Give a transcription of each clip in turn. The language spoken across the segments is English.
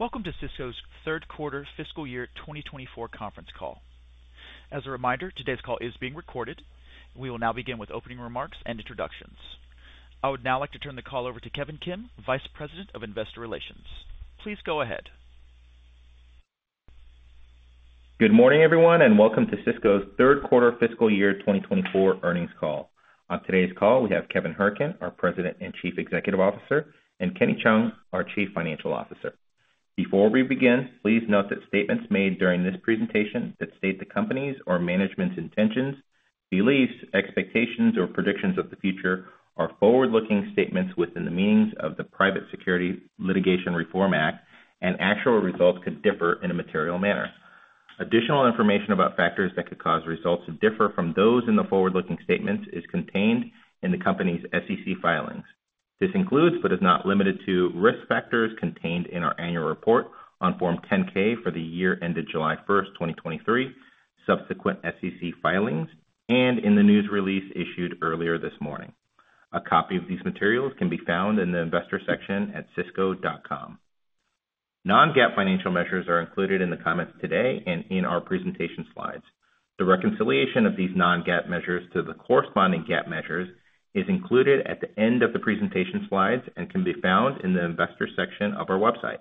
Welcome to Sysco's Q3 fiscal year 2024 conference call. As a reminder, today's call is being recorded. We will now begin with opening remarks and introductions. I would now like to turn the call over to Kevin Kim, Vice President of Investor Relations. Please go ahead. Good morning, everyone, and welcome to Sysco's Q3 fiscal year 2024 earnings call. On today's call, we have Kevin Hourican, our President and Chief Executive Officer, and Kenny Cheung, our Chief Financial Officer. Before we begin, please note that statements made during this presentation that state the company's or management's intentions, beliefs, expectations, or predictions of the future are forward-looking statements within the meanings of the Private Securities Litigation Reform Act, and actual results could differ in a material manner. Additional information about factors that could cause results to differ from those in the forward-looking statements is contained in the company's SEC filings. This includes but is not limited to risk factors contained in our annual report on Form 10-K for the year ended July 1, 2023, subsequent SEC filings, and in the news release issued earlier this morning. A copy of these materials can be found in the investor section at sysco.com. Non-GAAP financial measures are included in the comments today and in our presentation slides. The reconciliation of these non-GAAP measures to the corresponding GAAP measures is included at the end of the presentation slides and can be found in the investor section of our website.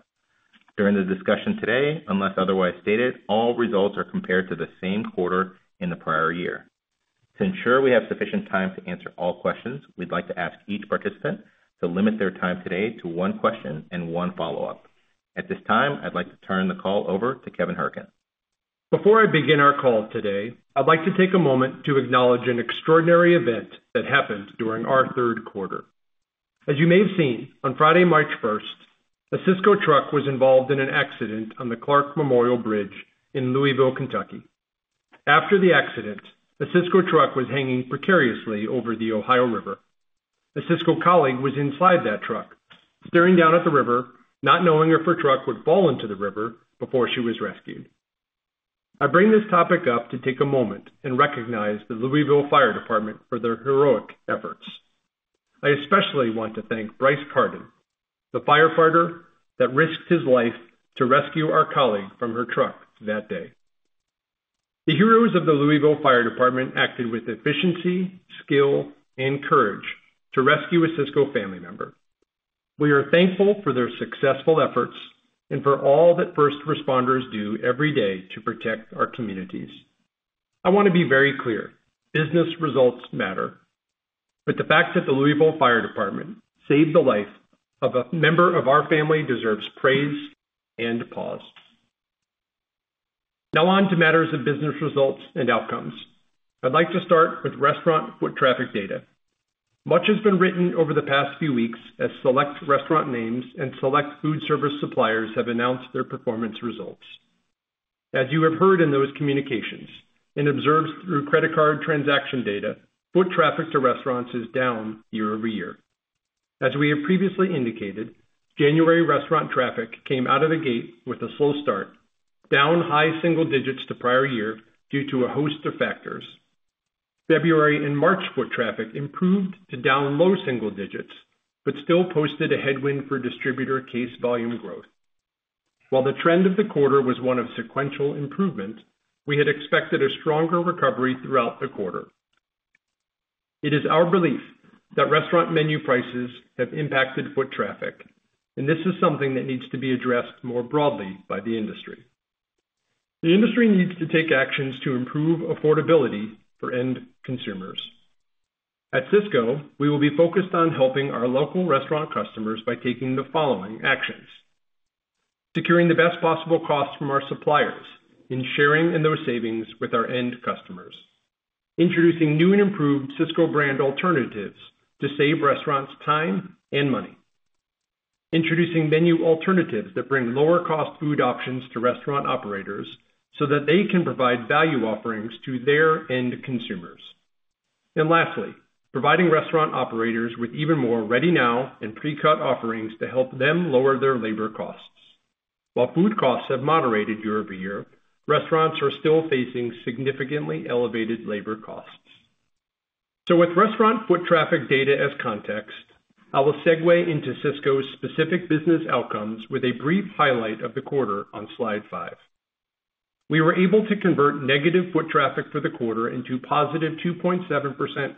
During the discussion today, unless otherwise stated, all results are compared to the same quarter in the prior year. To ensure we have sufficient time to answer all questions, we'd like to ask each participant to limit their time today to one question and one follow-up. At this time, I'd like to turn the call over to Kevin Hourican. Before I begin our call today, I'd like to take a moment to acknowledge an extraordinary event that happened during our Q3. As you may have seen, on Friday, March 1, a Sysco truck was involved in an accident on the Clark Memorial Bridge in Louisville, Kentucky. After the accident, a Sysco truck was hanging precariously over the Ohio River. A Sysco colleague was inside that truck, staring down at the river, not knowing if her truck would fall into the river before she was rescued. I bring this topic up to take a moment and recognize the Louisville Fire Department for their heroic efforts. I especially want to thank Bryce Carden, the firefighter that risked his life to rescue our colleague from her truck that day. The heroes of the Louisville Fire Department acted with efficiency, skill, and courage to rescue a Sysco family member. We are thankful for their successful efforts and for all that first responders do every day to protect our communities. I want to be very clear: business results matter. But the fact that the Louisville Fire Department saved the life of a member of our family deserves praise and pause. Now on to matters of business results and outcomes. I'd like to start with restaurant foot traffic data. Much has been written over the past few weeks as select restaurant names and select food service suppliers have announced their performance results. As you have heard in those communications and observed through credit card transaction data, foot traffic to restaurants is down year-over-year. As we have previously indicated, January restaurant traffic came out of the gate with a slow start, down high single digits to prior year due to a host of factors. February and March foot traffic improved to down low single digits but still posted a headwind for distributor case volume growth. While the trend of the quarter was one of sequential improvement, we had expected a stronger recovery throughout the quarter. It is our belief that restaurant menu prices have impacted foot traffic, and this is something that needs to be addressed more broadly by the industry. The industry needs to take actions to improve affordability for end consumers. At Sysco, we will be focused on helping our local restaurant customers by taking the following actions: securing the best possible costs from our suppliers, and sharing in those savings with our end customers; introducing new and improved Sysco Brand alternatives to save restaurants time and money; introducing menu alternatives that bring lower-cost food options to restaurant operators so that they can provide value offerings to their end consumers; and lastly, providing restaurant operators with even more ready-now and pre-cut offerings to help them lower their labor costs. While food costs have moderated year-over-year, restaurants are still facing significantly elevated labor costs. So with restaurant foot traffic data as context, I will segue into Sysco's specific business outcomes with a brief highlight of the quarter on slide 5. We were able to convert negative foot traffic for the quarter into positive 2.7%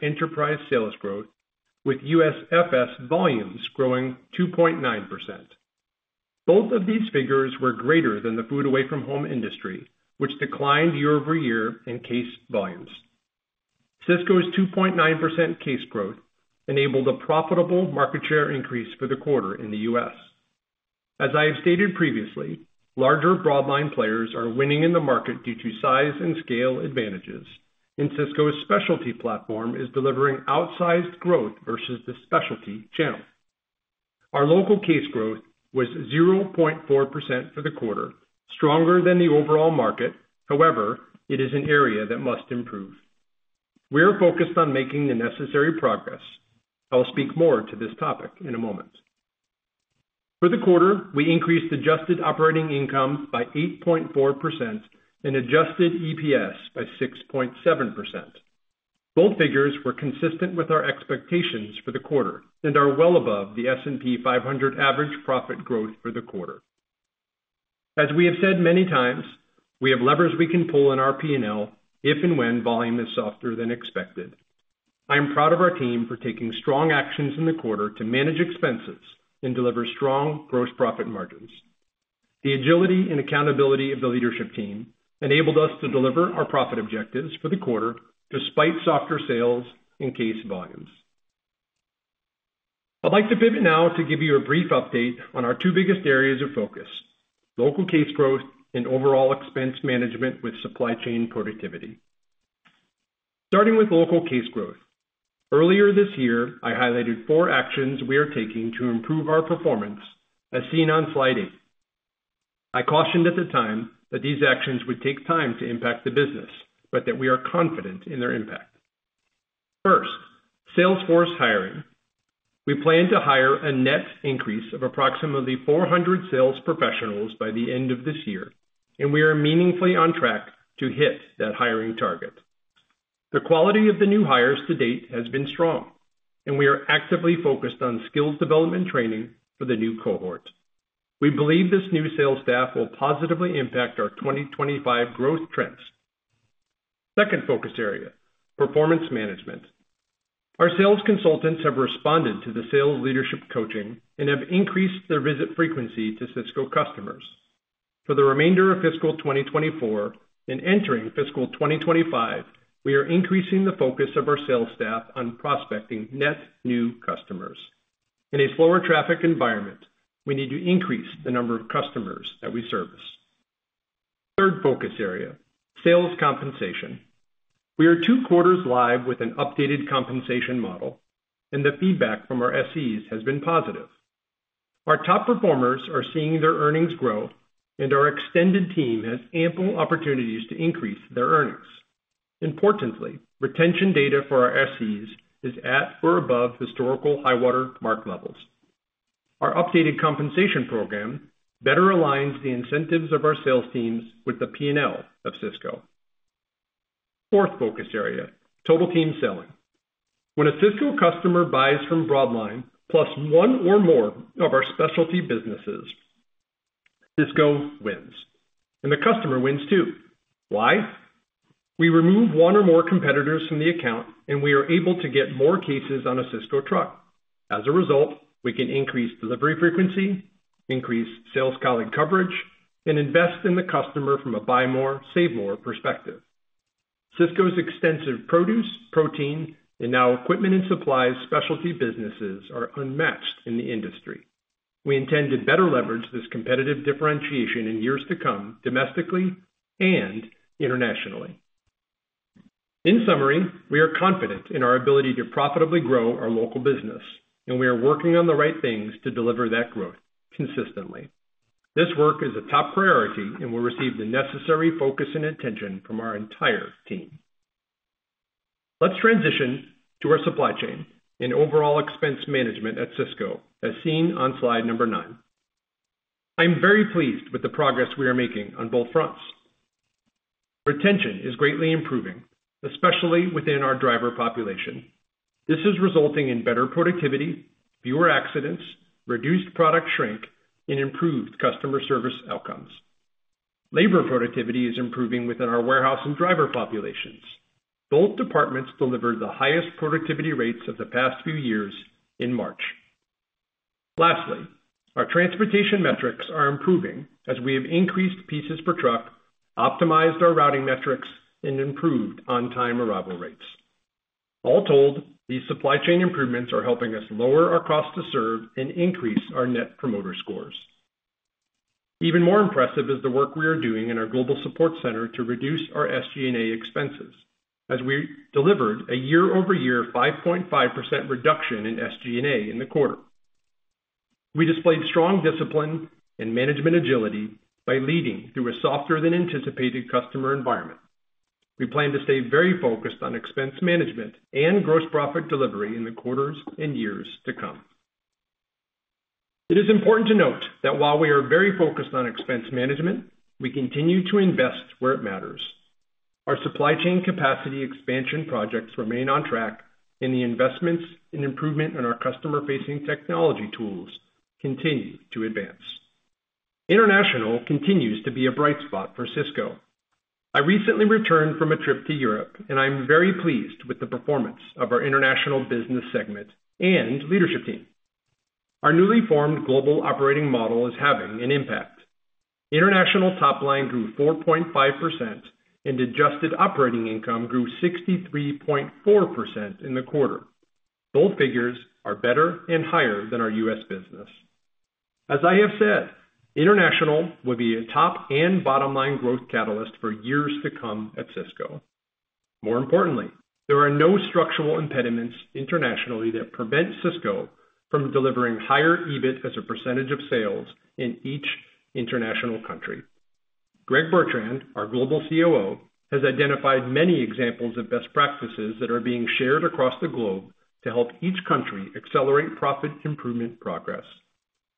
enterprise sales growth, with USFS volumes growing 2.9%. Both of these figures were greater than the food away-from-home industry, which declined year-over-year in case volumes. Sysco's 2.9% case growth enabled a profitable market share increase for the quarter in the U.S. As I have stated previously, larger broadline players are winning in the market due to size and scale advantages, and Sysco's specialty platform is delivering outsized growth versus the specialty channel. Our local case growth was 0.4% for the quarter, stronger than the overall market. However, it is an area that must improve. We are focused on making the necessary progress. I'll speak more to this topic in a moment. For the quarter, we increased adjusted operating income by 8.4% and adjusted EPS by 6.7%. Both figures were consistent with our expectations for the quarter and are well above the S&P 500 average profit growth for the quarter. As we have said many times, we have levers we can pull in our P&L if and when volume is softer than expected. I am proud of our team for taking strong actions in the quarter to manage expenses and deliver strong gross profit margins. The agility and accountability of the leadership team enabled us to deliver our profit objectives for the quarter despite softer sales and case volumes. I'd like to pivot now to give you a brief update on our two biggest areas of focus: local case growth and overall expense management with supply chain productivity. Starting with local case growth, earlier this year, I highlighted four actions we are taking to improve our performance, as seen on slide eight. I cautioned at the time that these actions would take time to impact the business, but that we are confident in their impact. First, sales force hiring. We plan to hire a net increase of approximately 400 sales professionals by the end of this year, and we are meaningfully on track to hit that hiring target. The quality of the new hires to date has been strong, and we are actively focused on skills development training for the new cohort. We believe this new sales staff will positively impact our 2025 growth trends. Second focus area: performance management. Our sales consultants have responded to the sales leadership coaching and have increased their visit frequency to Sysco customers. For the remainder of fiscal 2024 and entering fiscal 2025, we are increasing the focus of our sales staff on prospecting net new customers. In a slower traffic environment, we need to increase the number of customers that we service. Third focus area: sales compensation. We are two quarters live with an updated compensation model, and the feedback from our SEs has been positive. Our top performers are seeing their earnings grow, and our extended team has ample opportunities to increase their earnings. Importantly, retention data for our SEs is at or above historical high-water mark levels. Our updated compensation program better aligns the incentives of our sales teams with the P&L of Sysco. Fourth focus area: Total Team Selling. When a Sysco customer buys from broadline plus one or more of our specialty businesses, Sysco wins. And the customer wins too. Why? We remove one or more competitors from the account, and we are able to get more cases on a Sysco truck. As a result, we can increase delivery frequency, increase sales colleague coverage, and invest in the customer from a buy more, save more perspective. Sysco's extensive produce, protein, and now equipment and supplies specialty businesses are unmatched in the industry. We intend to better leverage this competitive differentiation in years to come domestically and internationally. In summary, we are confident in our ability to profitably grow our local business, and we are working on the right things to deliver that growth consistently. This work is a top priority, and we'll receive the necessary focus and attention from our entire team. Let's transition to our supply chain and overall expense management at Sysco, as seen on slide number 9. I am very pleased with the progress we are making on both fronts. Retention is greatly improving, especially within our driver population. This is resulting in better productivity, fewer accidents, reduced product shrink, and improved customer service outcomes. Labor productivity is improving within our warehouse and driver populations. Both departments delivered the highest productivity rates of the past few years in March. Lastly, our transportation metrics are improving as we have increased pieces per truck, optimized our routing metrics, and improved on-time arrival rates. All told, these supply chain improvements are helping us lower our cost to serve and increase our net promoter scores. Even more impressive is the work we are doing in our Global Support Cbenter to reduce our SG&A expenses, as we delivered a year-over-year 5.5% reduction in SG&A in the quarter. We displayed strong discipline and management agility by leading through a softer-than-anticipated customer environment. We plan to stay very focused on expense management and gross profit delivery in the quarters and years to come. It is important to note that while we are very focused on expense management, we continue to invest where it matters. Our supply chain capacity expansion projects remain on track, and the investments in improvement in our customer-facing technology tools continue to advance. International continues to be a bright spot for Sysco. I recently returned from a trip to Europe, and I am very pleased with the performance of our international business segment and leadership team. Our newly formed global operating model is having an impact. International top line grew 4.5%, and adjusted operating income grew 63.4% in the quarter. Both figures are better and higher than our U.S. business. As I have said, international will be a top and bottom line growth catalyst for years to come at Sysco. More importantly, there are no structural impediments internationally that prevent Sysco from delivering higher EBIT as a percentage of sales in each international country. Greg Bertrand, our global COO, has identified many examples of best practices that are being shared across the globe to help each country accelerate profit improvement progress.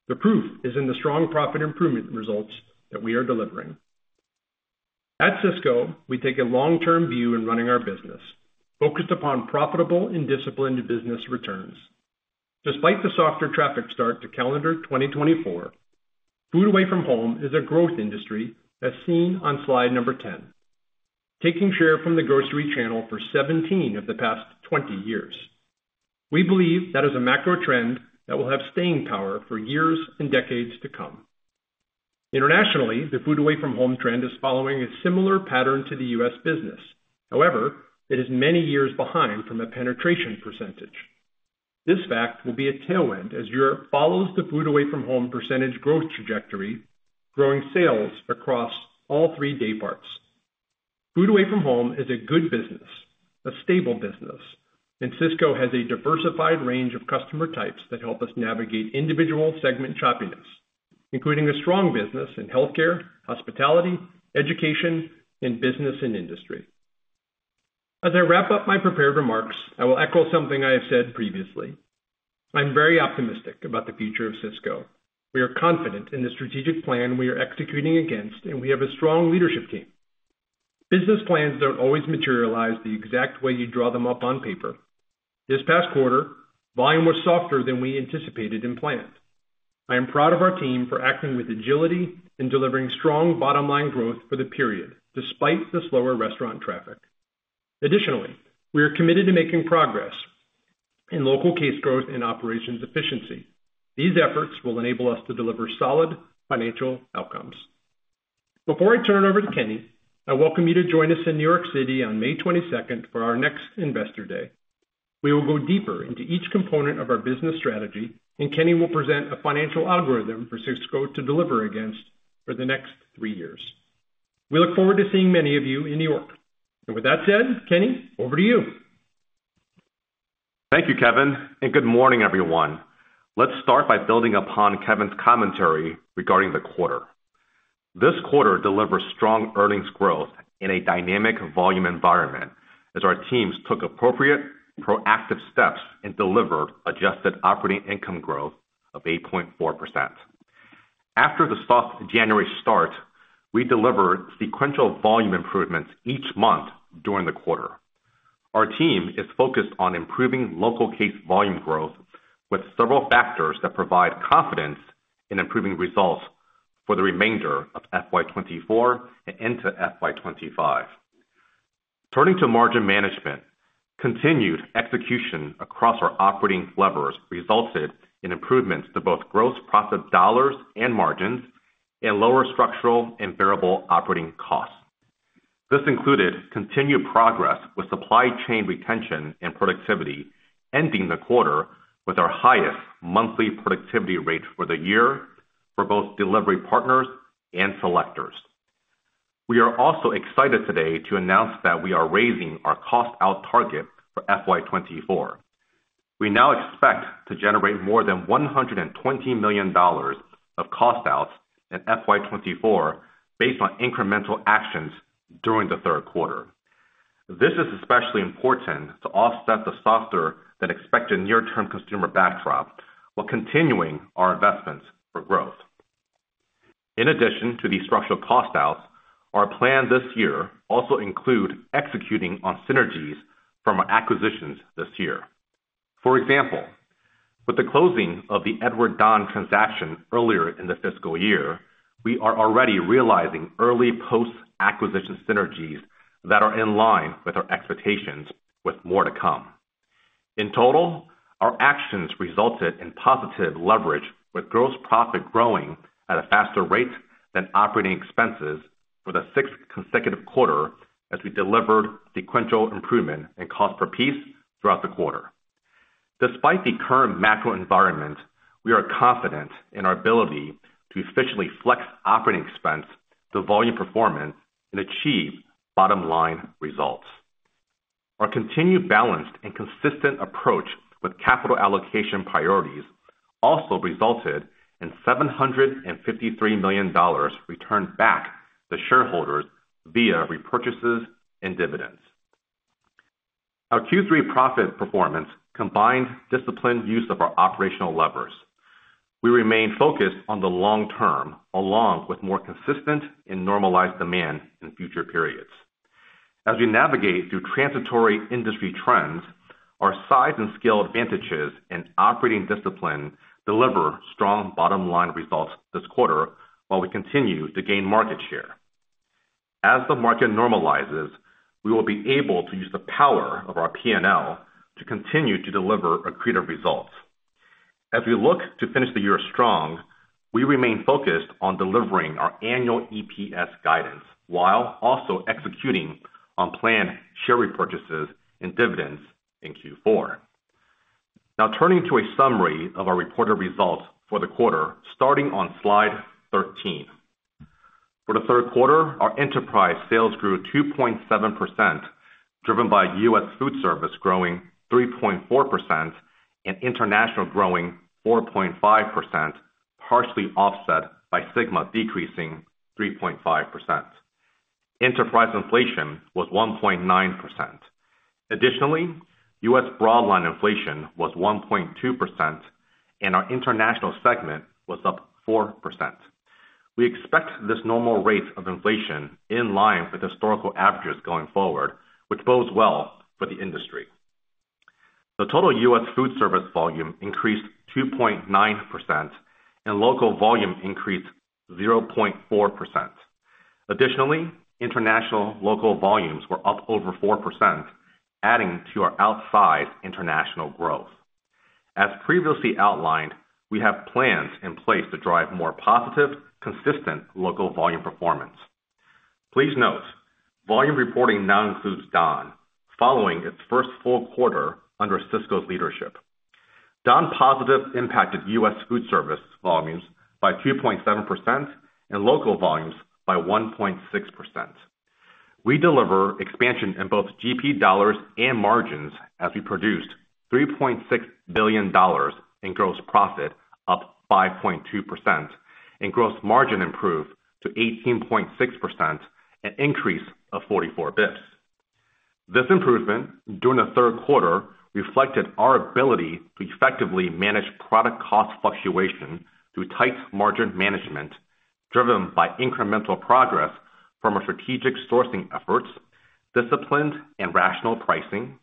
The proof is in the strong profit improvement results that we are delivering. At Sysco, we take a long-term view in running our business, focused upon profitable and disciplined business returns. Despite the softer traffic start to calendar 2024, food away-from-home is a growth industry, as seen on slide number 10, taking share from the grocery channel for 17 of the past 20 years. We believe that is a macro trend that will have staying power for years and decades to come. Internationally, the food-away-from-home trend is following a similar pattern to the U.S. business. However, it is many years behind from a penetration percentage. This fact will be a tailwind as Europe follows the food away-from-home percentage growth trajectory, growing sales across all three day parts. Food away-from-home is a good business, a stable business, and Sysco has a diversified range of customer types that help us navigate individual segment choppiness, including a strong business in healthcare, hospitality, education, and business and industry. As I wrap up my prepared remarks, I will echo something I have said previously. I am very optimistic about the future of Sysco. We are confident in the strategic plan we are executing against, and we have a strong leadership team. Business plans don't always materialize the exact way you draw them up on paper. This past quarter, volume was softer than we anticipated and planned. I am proud of our team for acting with agility and delivering strong bottom line growth for the period, despite the slower restaurant traffic. Additionally, we are committed to making progress in local case growth and operations efficiency. These efforts will enable us to deliver solid financial outcomes. Before I turn it over to Kenny, I welcome you to join us in New York City on May 22nd for our next Investor Day. We will go deeper into each component of our business strategy, and Kenny will present a financial algorithm for Sysco to deliver against for the next three years. We look forward to seeing many of you in New York. And with that said, Kenny, over to you. Thank you, Kevin, and good morning, everyone. Let's start by building upon Kevin's commentary regarding the quarter. This quarter delivered strong earnings growth in a dynamic volume environment as our teams took appropriate, proactive steps and delivered adjusted operating income growth of 8.4%. After the soft January start, we delivered sequential volume improvements each month during the quarter. Our team is focused on improving local case volume growth with several factors that provide confidence in improving results for the remainder of FY24 and into FY25. Turning to margin management, continued execution across our operating levers resulted in improvements to both gross profit dollars and margins and lower structural and variable operating costs. This included continued progress with supply chain retention and productivity, ending the quarter with our highest monthly productivity rate for the year for both delivery partners and selectors. We are also excited today to announce that we are raising our cost-out target for FY24. We now expect to generate more than $120 million of cost-outs in FY24 based on incremental actions during the Q3. This is especially important to offset the softer-than-expected near-term consumer backdrop while continuing our investments for growth. In addition to these structural cost-outs, our plan this year also includes executing on synergies from our acquisitions this year. For example, with the closing of the Edward Don transaction earlier in the fiscal year, we are already realizing early post-acquisition synergies that are in line with our expectations with more to come. In total, our actions resulted in positive leverage with gross profit growing at a faster rate than operating expenses for the sixth consecutive quarter as we delivered sequential improvement in cost per piece throughout the quarter. Despite the current macro environment, we are confident in our ability to efficiently flex operating expense, the volume performance, and achieve bottom line results. Our continued balanced and consistent approach with capital allocation priorities also resulted in $753 million returned back to shareholders via repurchases and dividends. Our Q3 profit performance combined disciplined use of our operational levers. We remain focused on the long term along with more consistent and normalized demand in future periods. As we navigate through transitory industry trends, our size and scale advantages and operating discipline deliver strong bottom line results this quarter while we continue to gain market share. As the market normalizes, we will be able to use the power of our P&L to continue to deliver accretive results. As we look to finish the year strong, we remain focused on delivering our annual EPS guidance while also executing on planned share repurchases and dividends in Q4. Now turning to a summary of our reported results for the quarter starting on slide 13. For the Q3, our enterprise sales grew 2.7% driven by U.S. Foodservice growing 3.4% and international growing 4.5%, partially offset by SYGMA decreasing 3.5%. Enterprise inflation was 1.9%. Additionally, U.S. broadline inflation was 1.2%, and our international segment was up 4%. We expect this normal rate of inflation in line with historical averages going forward, which bodes well for the industry. The total U.S. Foodservice volume increased 2.9%, and local volume increased 0.4%. Additionally, international local volumes were up over 4%, adding to our outsized international growth. As previously outlined, we have plans in place to drive more positive, consistent local volume performance. Please note, volume reporting now includes Don following its first full quarter under Sysco's leadership. Don positively impacted U.S. Foodservice volumes by 2.7% and local volumes by 1.6%. We deliver expansion in both GP dollars and margins as we produced $3.6 billion in gross profit, up 5.2%, and gross margin improved to 18.6%, an increase of 44 basis points. This improvement during the Q3 reflected our ability to effectively manage product cost fluctuation through tight margin management driven by incremental progress from our strategic sourcing efforts, disciplined and rational pricing,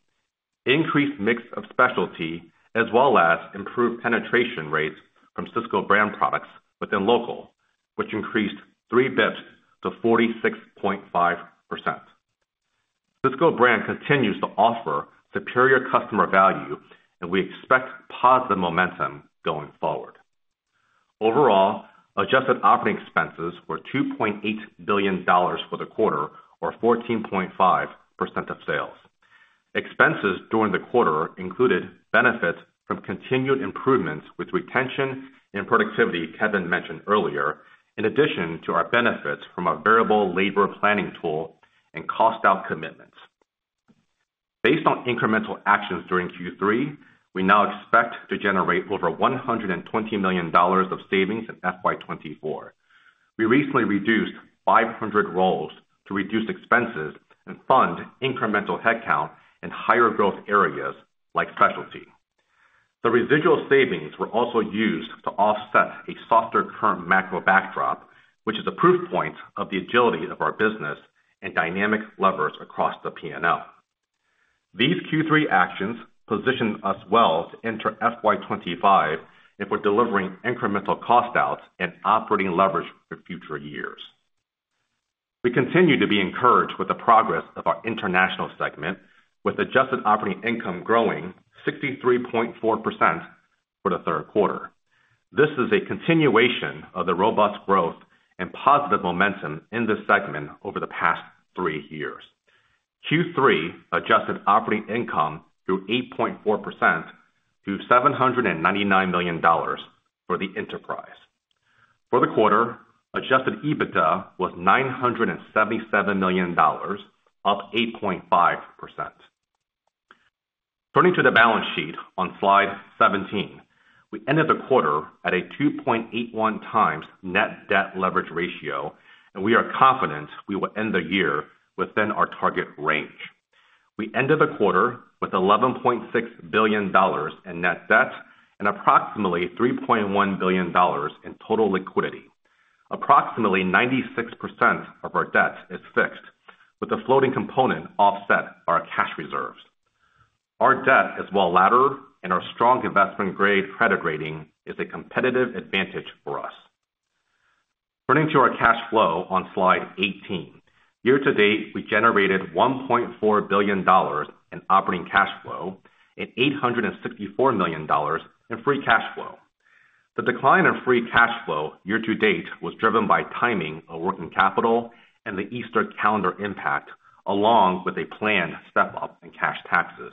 increased mix of specialty, as well as improved penetration rates from Sysco brand products within local, which increased 3 basis points to 46.5%. Sysco brand continues to offer superior customer value, and we expect positive momentum going forward. Overall, adjusted operating expenses were $2.8 billion for the quarter or 14.5% of sales. Expenses during the quarter included benefits from continued improvements with retention and productivity Kevin mentioned earlier, in addition to our benefits from a variable labor planning tool and cost-out commitments. Based on incremental actions during Q3, we now expect to generate over $120 million of savings in FY24. We recently reduced 500 roles to reduce expenses and fund incremental headcount in higher growth areas like specialty. The residual savings were also used to offset a softer current macro backdrop, which is a proof point of the agility of our business and dynamic levers across the P&L. These Q3 actions position us well to enter FY25 if we're delivering incremental cost-outs and operating leverage for future years. We continue to be encouraged with the progress of our international segment, with adjusted operating income growing 63.4% for the Q3. This is a continuation of the robust growth and positive momentum in this segment over the past three years. Q3 adjusted operating income grew 8.4% to $799 million for the enterprise. For the quarter, adjusted EBITDA was $977 million, up 8.5%. Turning to the balance sheet on slide 17, we ended the quarter at a 2.81x net debt leverage ratio, and we are confident we will end the year within our target range. We ended the quarter with $11.6 billion in net debt and approximately $3.1 billion in total liquidity. Approximately 96% of our debt is fixed, with a floating component offset by our cash reserves. Our debt is well laddered, and our strong investment-grade credit rating is a competitive advantage for us. Turning to our cash flow on slide 18, year-to-date, we generated $1.4 billion in operating cash flow and $864 million in free cash flow. The decline in free cash flow year to date was driven by timing of working capital and the Easter calendar impact, along with a planned step-up in cash taxes.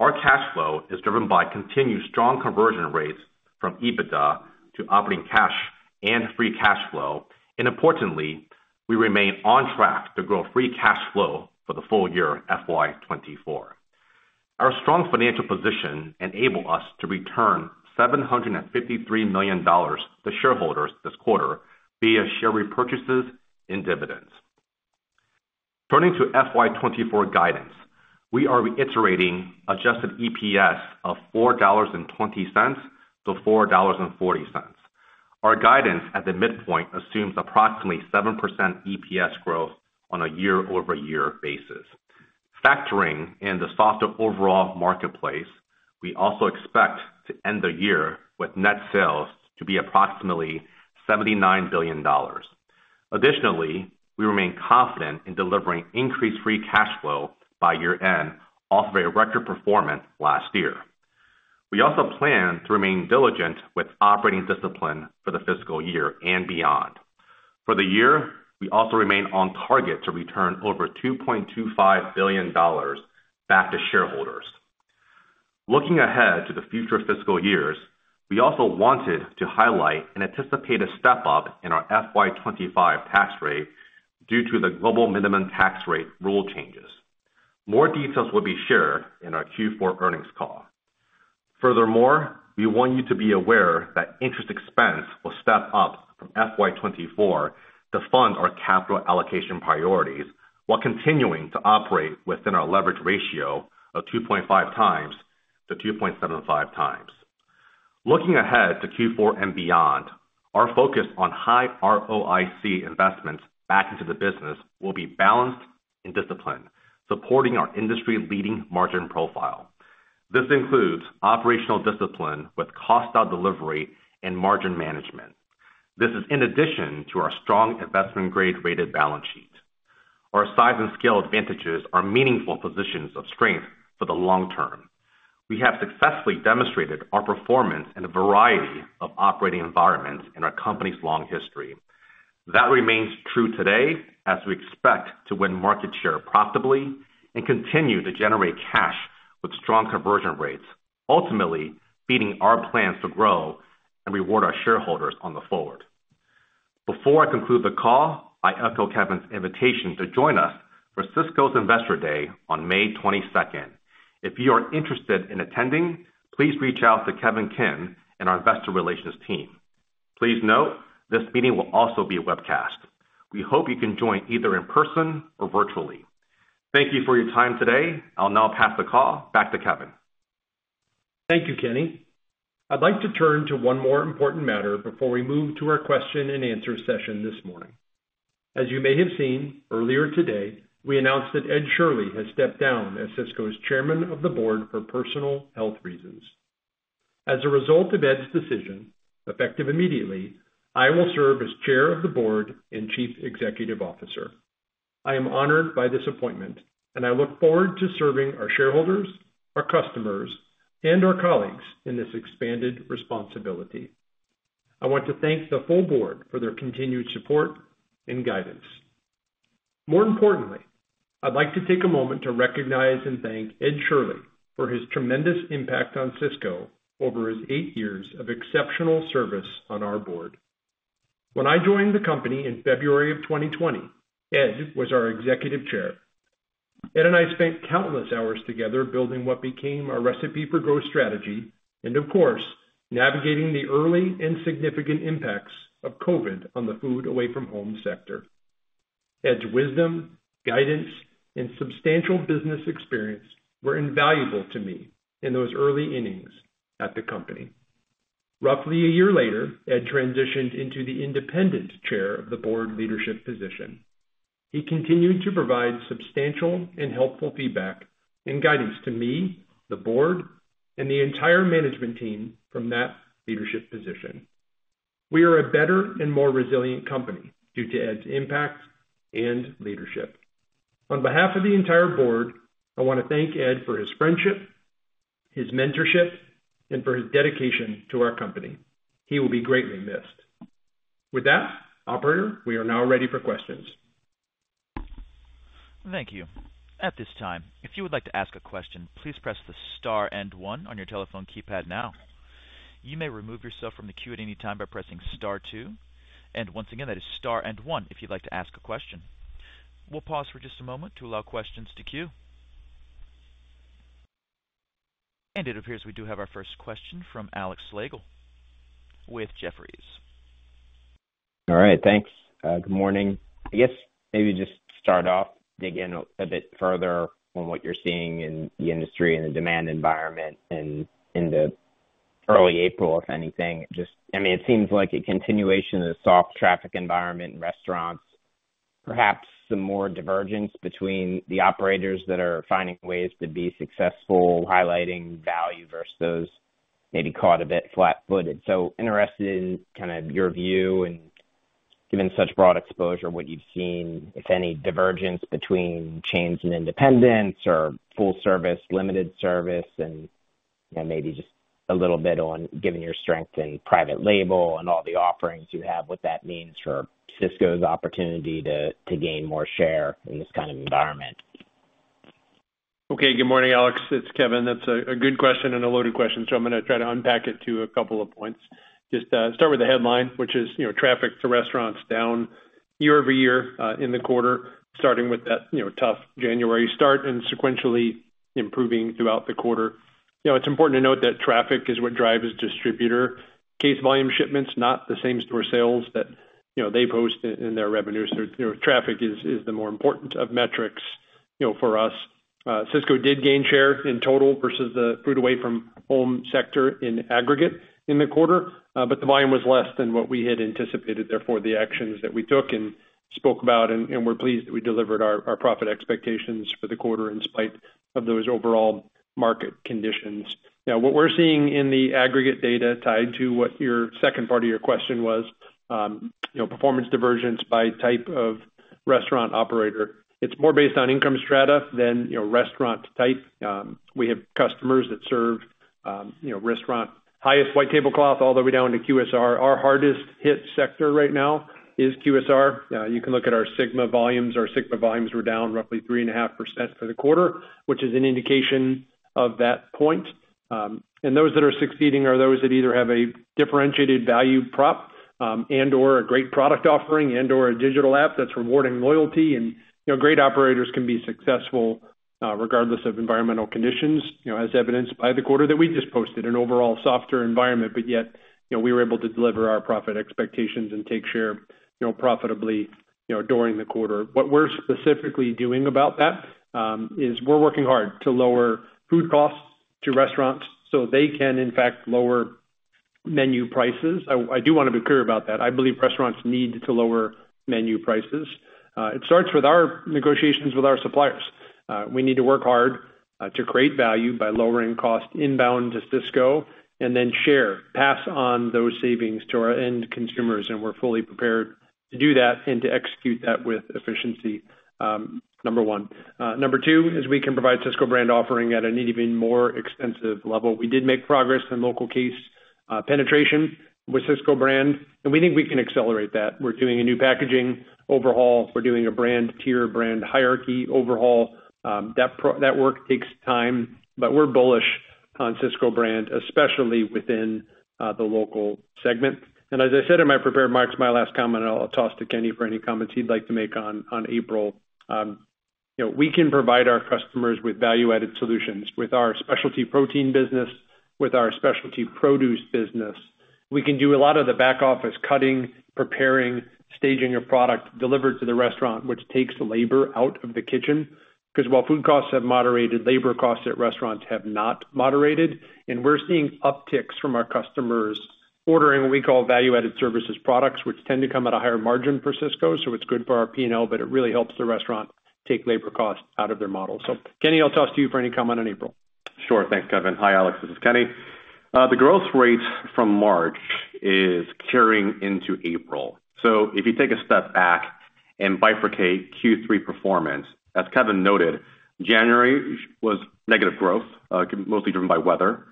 Our cash flow is driven by continued strong conversion rates from EBITDA to operating cash and free cash flow, and importantly, we remain on track to grow free cash flow for the full year FY 2024. Our strong financial position enabled us to return $753 million to shareholders this quarter via share repurchases and dividends. Turning to FY 2024 guidance, we are reiterating adjusted EPS of $4.20 to $4.40. Our guidance at the midpoint assumes approximately 7% EPS growth on a year-over-year basis. Factoring in the softer overall marketplace, we also expect to end the year with net sales to be approximately $79 billion. Additionally, we remain confident in delivering increased free cash flow by year-end off of a record performance last year. We also plan to remain diligent with operating discipline for the fiscal year and beyond. For the year, we also remain on target to return over $2.25 billion back to shareholders. Looking ahead to the future fiscal years, we also wanted to highlight and anticipate a step-up in our FY25 tax rate due to the global minimum tax rate rule changes. More details will be shared in our Q4 earnings call. Furthermore, we want you to be aware that interest expense will step up from FY24 to fund our capital allocation priorities while continuing to operate within our leverage ratio of 2.5x to 2.75x. Looking ahead to Q4 and beyond, our focus on high ROIC investments back into the business will be balanced and disciplined, supporting our industry-leading margin profile. This includes operational discipline with cost-out delivery and margin management. This is in addition to our strong investment-grade rated balance sheet. Our size and scale advantages are meaningful positions of strength for the long term. We have successfully demonstrated our performance in a variety of operating environments in our company's long history. That remains true today as we expect to win market share profitably and continue to generate cash with strong conversion rates, ultimately beating our plans to grow and reward our shareholders on the forward. Before I conclude the call, I echo Kevin's invitation to join us for Sysco's Investor Day on May 22nd. If you are interested in attending, please reach out to Kevin Kim and our investor relations team. Please note, this meeting will also be webcast. We hope you can join either in person or virtually. Thank you for your time today. I'll now pass the call back to Kevin. Thank you, Kenny. I'd like to turn to one more important matter before we move to our question and answer session this morning. As you may have seen earlier today, we announced that Ed Shirley has stepped down as Sysco's Chairman of the Board for personal health reasons. As a result of Ed's decision, effective immediately, I will serve as Chair of the Board and Chief Executive Officer. I am honored by this appointment, and I look forward to serving our shareholders, our customers, and our colleagues in this expanded responsibility. I want to thank the full board for their continued support and guidance. More importantly, I'd like to take a moment to recognize and thank Ed Shirley for his tremendous impact on Sysco over his eight years of exceptional service on our board. When I joined the company in February of 2020, Ed was our Executive Chair. Ed and I spent countless hours together building what became our Recipe for Growth strategy and, of course, navigating the early and significant impacts of COVID on the Food Away-from-Home sector. Ed's wisdom, guidance, and substantial business experience were invaluable to me in those early innings at the company. Roughly a year later, Ed transitioned into the independent Chair of the Board leadership position. He continued to provide substantial and helpful feedback and guidance to me, the board, and the entire management team from that leadership position. We are a better and more resilient company due to Ed's impact and leadership. On behalf of the entire board, I want to thank Ed for his friendship, his mentorship, and for his dedication to our company. He will be greatly missed. With that, operator, we are now ready for questions. Thank you. At this time, if you would like to ask a question, please press the star and one on your telephone keypad now. You may remove yourself from the queue at any time by pressing star two. And once again, that is star and one if you'd like to ask a question. We'll pause for just a moment to allow questions to queue. And it appears we do have our first question from Alex Slagle with Jefferies. All right. Thanks. Good morning. I guess maybe just start off, dig in a bit further on what you're seeing in the industry and the demand environment in the early April, if anything. I mean, it seems like a continuation of the soft traffic environment in restaurants, perhaps some more divergence between the operators that are finding ways to be successful, highlighting value versus those maybe caught a bit flat-footed. So interested in kind of your view and given such broad exposure, what you've seen, if any, divergence between chains and independents or full service, limited service, and maybe just a little bit on given your strength in private label and all the offerings you have, what that means for Sysco's opportunity to gain more share in this kind of environment? Okay. Good morning, Alex. It's Kevin. That's a good question and a loaded question. So I'm going to try to unpack it to a couple of points. Just start with the headline, which is traffic to restaurants down year-over-year in the quarter, starting with that tough January start and sequentially improving throughout the quarter. It's important to note that traffic is what drives distributor case volume shipments, not the same store sales that they post in their revenues. Traffic is the more important of metrics for us. Sysco did gain share in total versus the food away-from-home sector in aggregate in the quarter, but the volume was less than what we had anticipated. Therefore, the actions that we took and spoke about, and we're pleased that we delivered our profit expectations for the quarter in spite of those overall market conditions. Now, what we're seeing in the aggregate data tied to what your second part of your question was, performance divergence by type of restaurant operator, it's more based on income strata than restaurant type. We have customers that serve restaurant highest white tablecloth all the way down to QSR. Our hardest-hit sector right now is QSR. You can look at our SYGMA volumes. Our SYGMA volumes were down roughly 3.5% for the quarter, which is an indication of that point. And those that are succeeding are those that either have a differentiated value prop and/or a great product offering and/or a digital app that's rewarding loyalty. And great operators can be successful regardless of environmental conditions, as evidenced by the quarter that we just posted, an overall softer environment, but yet we were able to deliver our profit expectations and take share profitably during the quarter. What we're specifically doing about that is we're working hard to lower food costs to restaurants so they can, in fact, lower menu prices. I do want to be clear about that. I believe restaurants need to lower menu prices. It starts with our negotiations with our suppliers. We need to work hard to create value by lowering cost inbound to Sysco and then share, pass on those savings to our end consumers. And we're fully prepared to do that and to execute that with efficiency, number one. Number two is we can provide Sysco brand offering at an even more extensive level. We did make progress in local case penetration with Sysco brand, and we think we can accelerate that. We're doing a new packaging overhaul. We're doing a brand-tier, brand hierarchy overhaul. That work takes time, but we're bullish on Sysco brand, especially within the local segment. As I said in my prepared remarks, my last comment, and I'll toss to Kenny for any comments he'd like to make on April. We can provide our customers with value-added solutions with our specialty protein business, with our specialty produce business. We can do a lot of the back-office cutting, preparing, staging a product delivered to the restaurant, which takes labor out of the kitchen because while food costs have moderated, labor costs at restaurants have not moderated. And we're seeing upticks from our customers ordering what we call value-added services products, which tend to come at a higher margin for Sysco. So it's good for our P&L, but it really helps the restaurant take labor costs out of their model. So, Kenny, I'll toss to you for any comment on April. Sure. Thanks, Kevin. Hi, Alex. This is Kenny. The growth rate from March is carrying into April. So if you take a step back and bifurcate Q3 performance, as Kevin noted, January was negative growth, mostly driven by weather.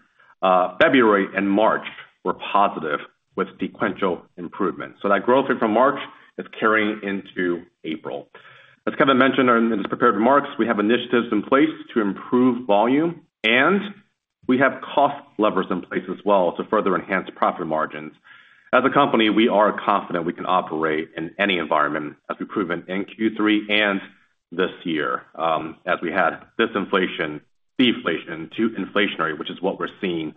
February and March were positive with sequential improvement. So that growth from March is carrying into April. As Kevin mentioned in his prepared marks, we have initiatives in place to improve volume, and we have cost levers in place as well to further enhance profit margins. As a company, we are confident we can operate in any environment, as we've proven in Q3 and this year, as we had this inflation, deflation, to inflationary, which is what we're seeing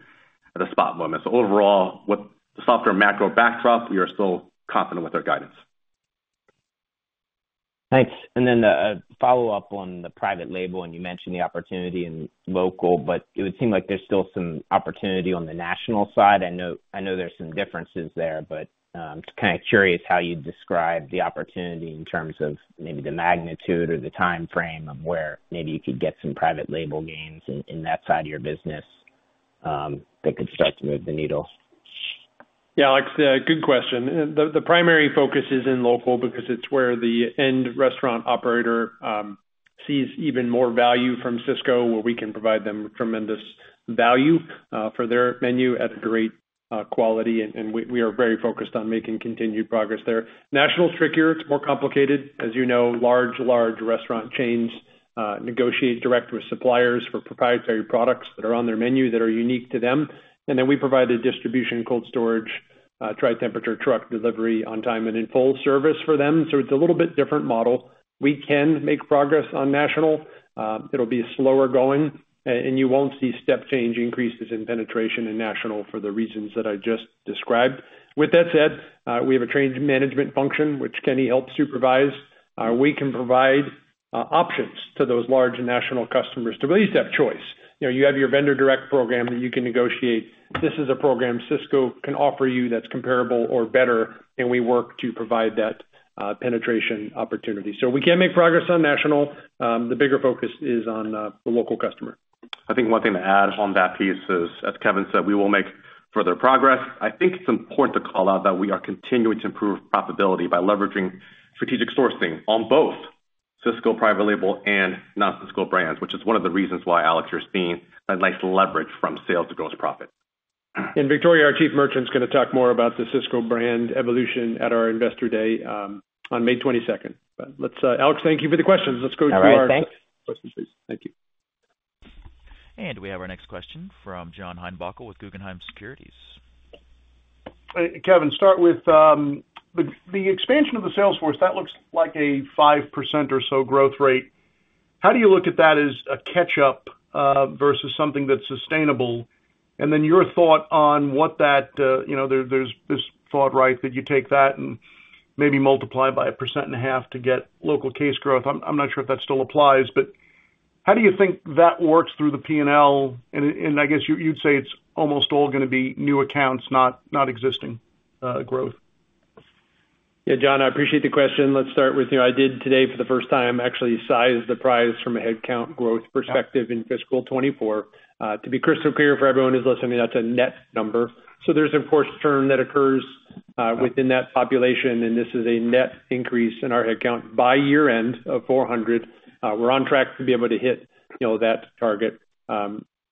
at the spot moment. So overall, with the softer macro backdrop, we are still confident with our guidance. Thanks. Then a follow-up on the private label, and you mentioned the opportunity in local, but it would seem like there's still some opportunity on the national side. I know there's some differences there, but I'm just kind of curious how you'd describe the opportunity in terms of maybe the magnitude or the timeframe of where maybe you could get some private label gains in that side of your business that could start to move the needle? Yeah, Alex, good question. The primary focus is in local because it's where the end restaurant operator sees even more value from Sysco, where we can provide them tremendous value for their menu at great quality. And we are very focused on making continued progress there. National's trickier. It's more complicated. As you know, large, large restaurant chains negotiate direct with suppliers for proprietary products that are on their menu that are unique to them. And then we provide a distribution, cold storage, dry temperature truck delivery on time and in full service for them. So it's a little bit different model. We can make progress on national. It'll be slower going, and you won't see step-change increases in penetration in national for the reasons that I just described. With that said, we have a change management function, which Kenny helped supervise. We can provide options to those large national customers to at least have choice. You have your vendor direct program that you can negotiate. This is a program Sysco can offer you that's comparable or better, and we work to provide that penetration opportunity. So we can make progress on national. The bigger focus is on the local customer. I think one thing to add on that piece is, as Kevin said, we will make further progress. I think it's important to call out that we are continuing to improve profitability by leveraging strategic sourcing on both Sysco private label and non-Sysco brands, which is one of the reasons why, Alex, you're seeing that nice leverage from sales to gross profit. Victoria, our Chief Merchandising Officer, is going to talk more about the Sysco brand evolution at our Investor Day on May 22nd. But Alex, thank you for the questions. Let's go to our questions, please. Thank you. We have our next question from John Heinbockel with Guggenheim Securities. Kevin, start with the expansion of the sales force. That looks like a 5% or so growth rate. How do you look at that as a catch-up versus something that's sustainable? And then your thought on what that there's this thought, right, that you take that and maybe multiply by 1.5% to get local case growth. I'm not sure if that still applies, but how do you think that works through the P&L? And I guess you'd say it's almost all going to be new accounts, not existing growth. Yeah, John, I appreciate the question. Let's start with you. I did today, for the first time, actually size the price from a headcount growth perspective in fiscal 2024. To be crystal clear for everyone who's listening, that's a net number. So there's, of course, churn that occurs within that population, and this is a net increase in our headcount by year-end of 400. We're on track to be able to hit that target.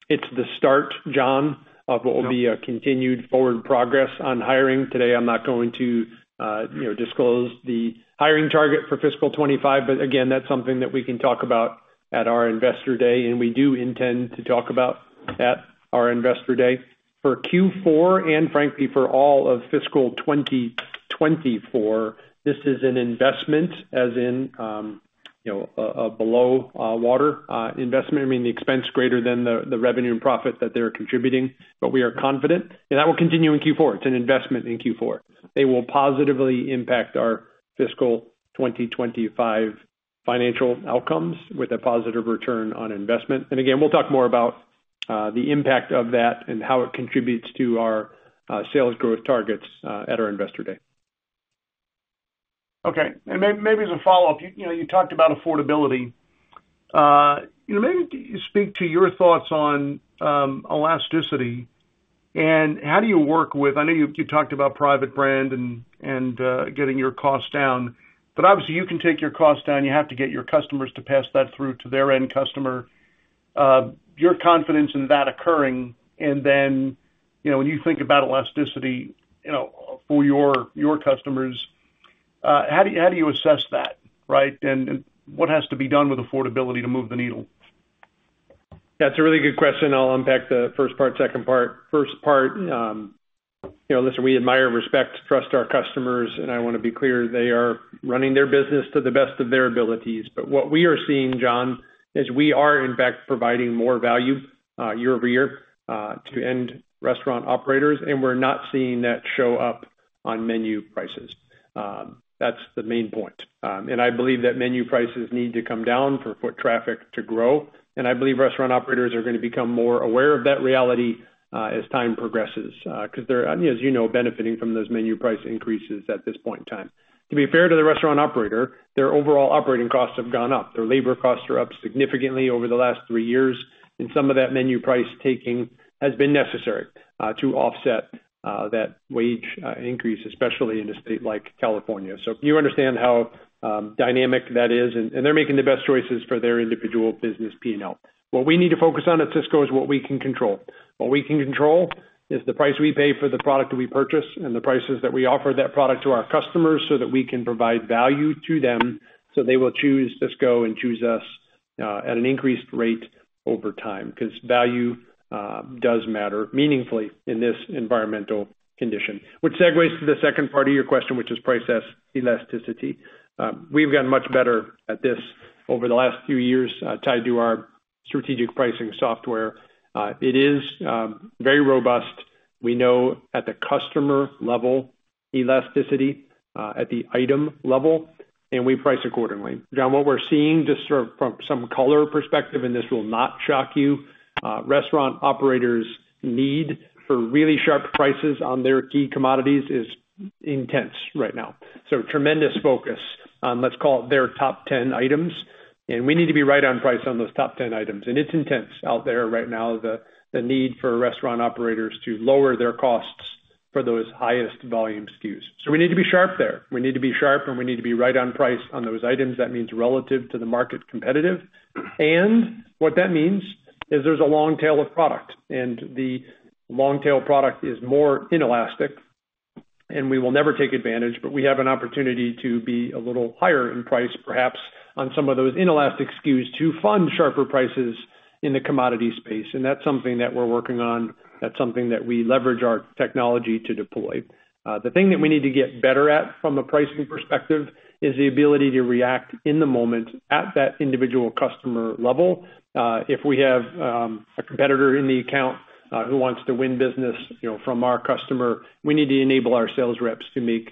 It's the start, John, of what will be a continued forward progress on hiring. Today, I'm not going to disclose the hiring target for fiscal 2025, but again, that's something that we can talk about at our Investor Day, and we do intend to talk about at our Investor Day. For Q4 and, frankly, for all of fiscal 2024, this is an investment, as in a below-water investment. I mean, the expense greater than the revenue and profit that they're contributing, but we are confident. That will continue in Q4. It's an investment in Q4. They will positively impact our fiscal 2025 financial outcomes with a positive return on investment. And again, we'll talk more about the impact of that and how it contributes to our sales growth targets at our Investor Day. Okay. And maybe as a follow-up, you talked about affordability. Maybe speak to your thoughts on elasticity and how do you work with—I know you talked about private brand and getting your costs down—but obviously, you can take your costs down. You have to get your customers to pass that through to their end customer. Your confidence in that occurring, and then when you think about elasticity for your customers, how do you assess that, right? And what has to be done with affordability to move the needle? Yeah, it's a really good question. I'll unpack the first part, second part. First part, listen, we admire, respect, trust our customers, and I want to be clear, they are running their business to the best of their abilities. But what we are seeing, John, is we are, in fact, providing more value year-over-year to end restaurant operators, and we're not seeing that show up on menu prices. That's the main point. And I believe that menu prices need to come down for foot traffic to grow. And I believe restaurant operators are going to become more aware of that reality as time progresses because they're, as you know, benefiting from those menu price increases at this point in time. To be fair to the restaurant operator, their overall operating costs have gone up. Their labor costs are up significantly over the last three years, and some of that menu price taking has been necessary to offset that wage increase, especially in a state like California. So you understand how dynamic that is, and they're making the best choices for their individual business P&L. What we need to focus on at Sysco is what we can control. What we can control is the price we pay for the product that we purchase and the prices that we offer that product to our customers so that we can provide value to them so they will choose Sysco and choose us at an increased rate over time because value does matter meaningfully in this environmental condition, which segues to the second part of your question, which is price elasticity. We've gotten much better at this over the last few years tied to our strategic pricing software. It is very robust. We know at the customer level, elasticity at the item level, and we price accordingly. John, what we're seeing just from some color perspective, and this will not shock you, restaurant operators' need for really sharp prices on their key commodities is intense right now. So tremendous focus on, let's call it, their top 10 items. And we need to be right on price on those top 10 items. And it's intense out there right now, the need for restaurant operators to lower their costs for those highest volume SKUs. So we need to be sharp there. We need to be sharp, and we need to be right on price on those items. That means relative to the market competitive. And what that means is there's a long tail of product. The long tail product is more inelastic, and we will never take advantage, but we have an opportunity to be a little higher in price, perhaps on some of those inelastic SKUs to fund sharper prices in the commodity space. And that's something that we're working on. That's something that we leverage our technology to deploy. The thing that we need to get better at from a pricing perspective is the ability to react in the moment at that individual customer level. If we have a competitor in the account who wants to win business from our customer, we need to enable our sales reps to make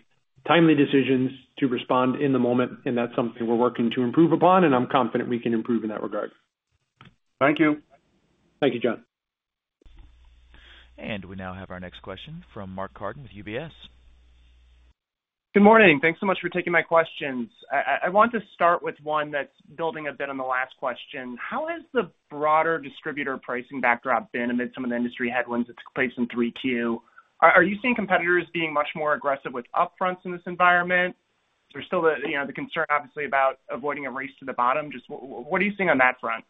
timely decisions, to respond in the moment. And that's something we're working to improve upon, and I'm confident we can improve in that regard. Thank you. Thank you, John. We now have our next question from Mark Carden with UBS. Good morning. Thanks so much for taking my questions. I want to start with one that's building a bit on the last question. How has the broader distributor pricing backdrop been amid some of the industry headwinds that took place in 3Q? Are you seeing competitors being much more aggressive with upfronts in this environment? There's still the concern, obviously, about avoiding a race to the bottom. What are you seeing on that front?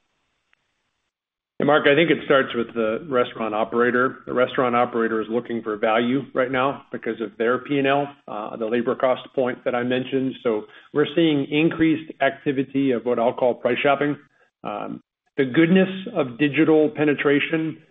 Yeah, Mark, I think it starts with the restaurant operator. The restaurant operator is looking for value right now because of their P&L, the labor cost point that I mentioned. So we're seeing increased activity of what I'll call price shopping. The goodness of digital penetration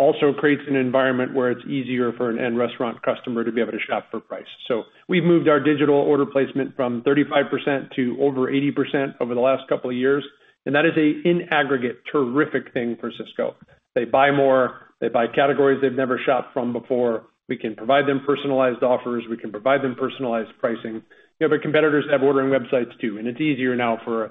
also creates an environment where it's easier for an end restaurant customer to be able to shop for price. So we've moved our digital order placement from 35% to over 80% over the last couple of years. And that is, in aggregate, a terrific thing for Sysco. They buy more. They buy categories they've never shopped from before. We can provide them personalized offers. We can provide them personalized pricing. But competitors have ordering websites, too. And it's easier now for a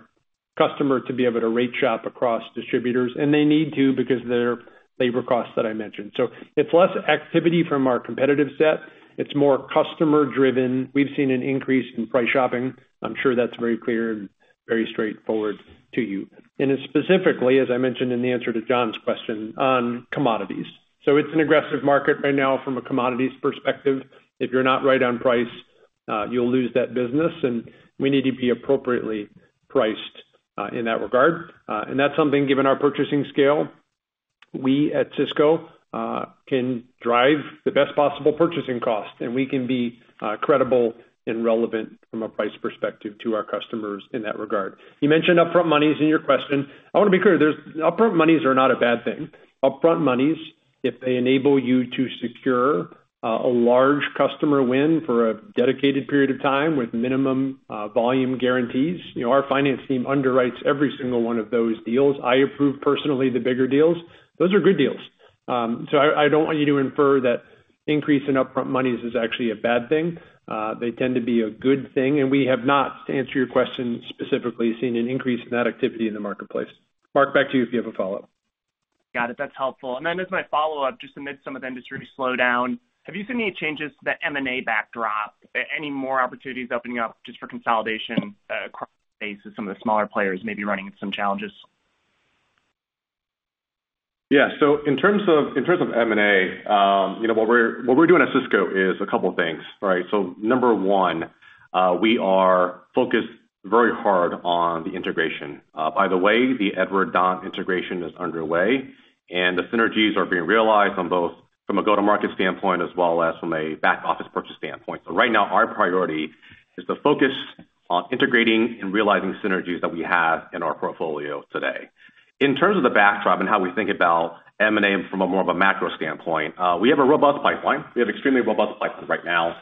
customer to be able to rate shop across distributors, and they need to because of their labor costs that I mentioned. So it's less activity from our competitive set. It's more customer-driven. We've seen an increase in price shopping. I'm sure that's very clear and very straightforward to you. And it's specifically, as I mentioned in the answer to John's question, on commodities. So it's an aggressive market right now from a commodities perspective. If you're not right on price, you'll lose that business. And we need to be appropriately priced in that regard. And that's something, given our purchasing scale, we at Sysco can drive the best possible purchasing cost, and we can be credible and relevant from a price perspective to our customers in that regard. You mentioned upfront monies in your question. I want to be clear, upfront monies are not a bad thing. Upfront monies, if they enable you to secure a large customer win for a dedicated period of time with minimum volume guarantees, our finance team underwrites every single one of those deals. I approve personally the bigger deals. Those are good deals. So I don't want you to infer that increase in upfront monies is actually a bad thing. They tend to be a good thing. And we have not, to answer your question specifically, seen an increase in that activity in the marketplace. Mark, back to you if you have a follow-up. Got it. That's helpful. Then as my follow-up, just amid some of the industry slowdown, have you seen any changes to the M&A backdrop, any more opportunities opening up just for consolidation across the space as some of the smaller players may be running into some challenges? Yeah. So in terms of M&A, what we're doing at Sysco is a couple of things, right? So number one, we are focused very hard on the integration. By the way, the Edward Don integration is underway, and the synergies are being realized from a go-to-market standpoint as well as from a back-office purchase standpoint. So right now, our priority is to focus on integrating and realizing synergies that we have in our portfolio today. In terms of the backdrop and how we think about M&A from more of a macro standpoint, we have a robust pipeline. We have an extremely robust pipeline right now.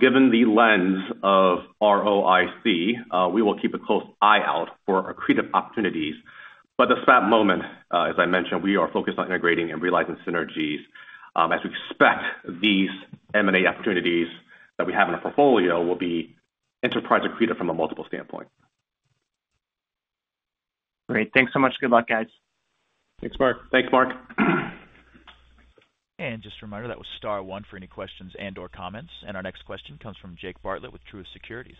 Given the lens of ROIC, we will keep a close eye out for accretive opportunities. But the SPAT moment, as I mentioned, we are focused on integrating and realizing synergies as we expect these M&A opportunities that we have in our portfolio will be enterprise accretive from a multiple standpoint. Great. Thanks so much. Good luck, guys. Thanks, Mark. Thanks, Mark. Just a reminder, that was star one for any questions and/or comments. Our next question comes from Jake Bartlett with Truist Securities.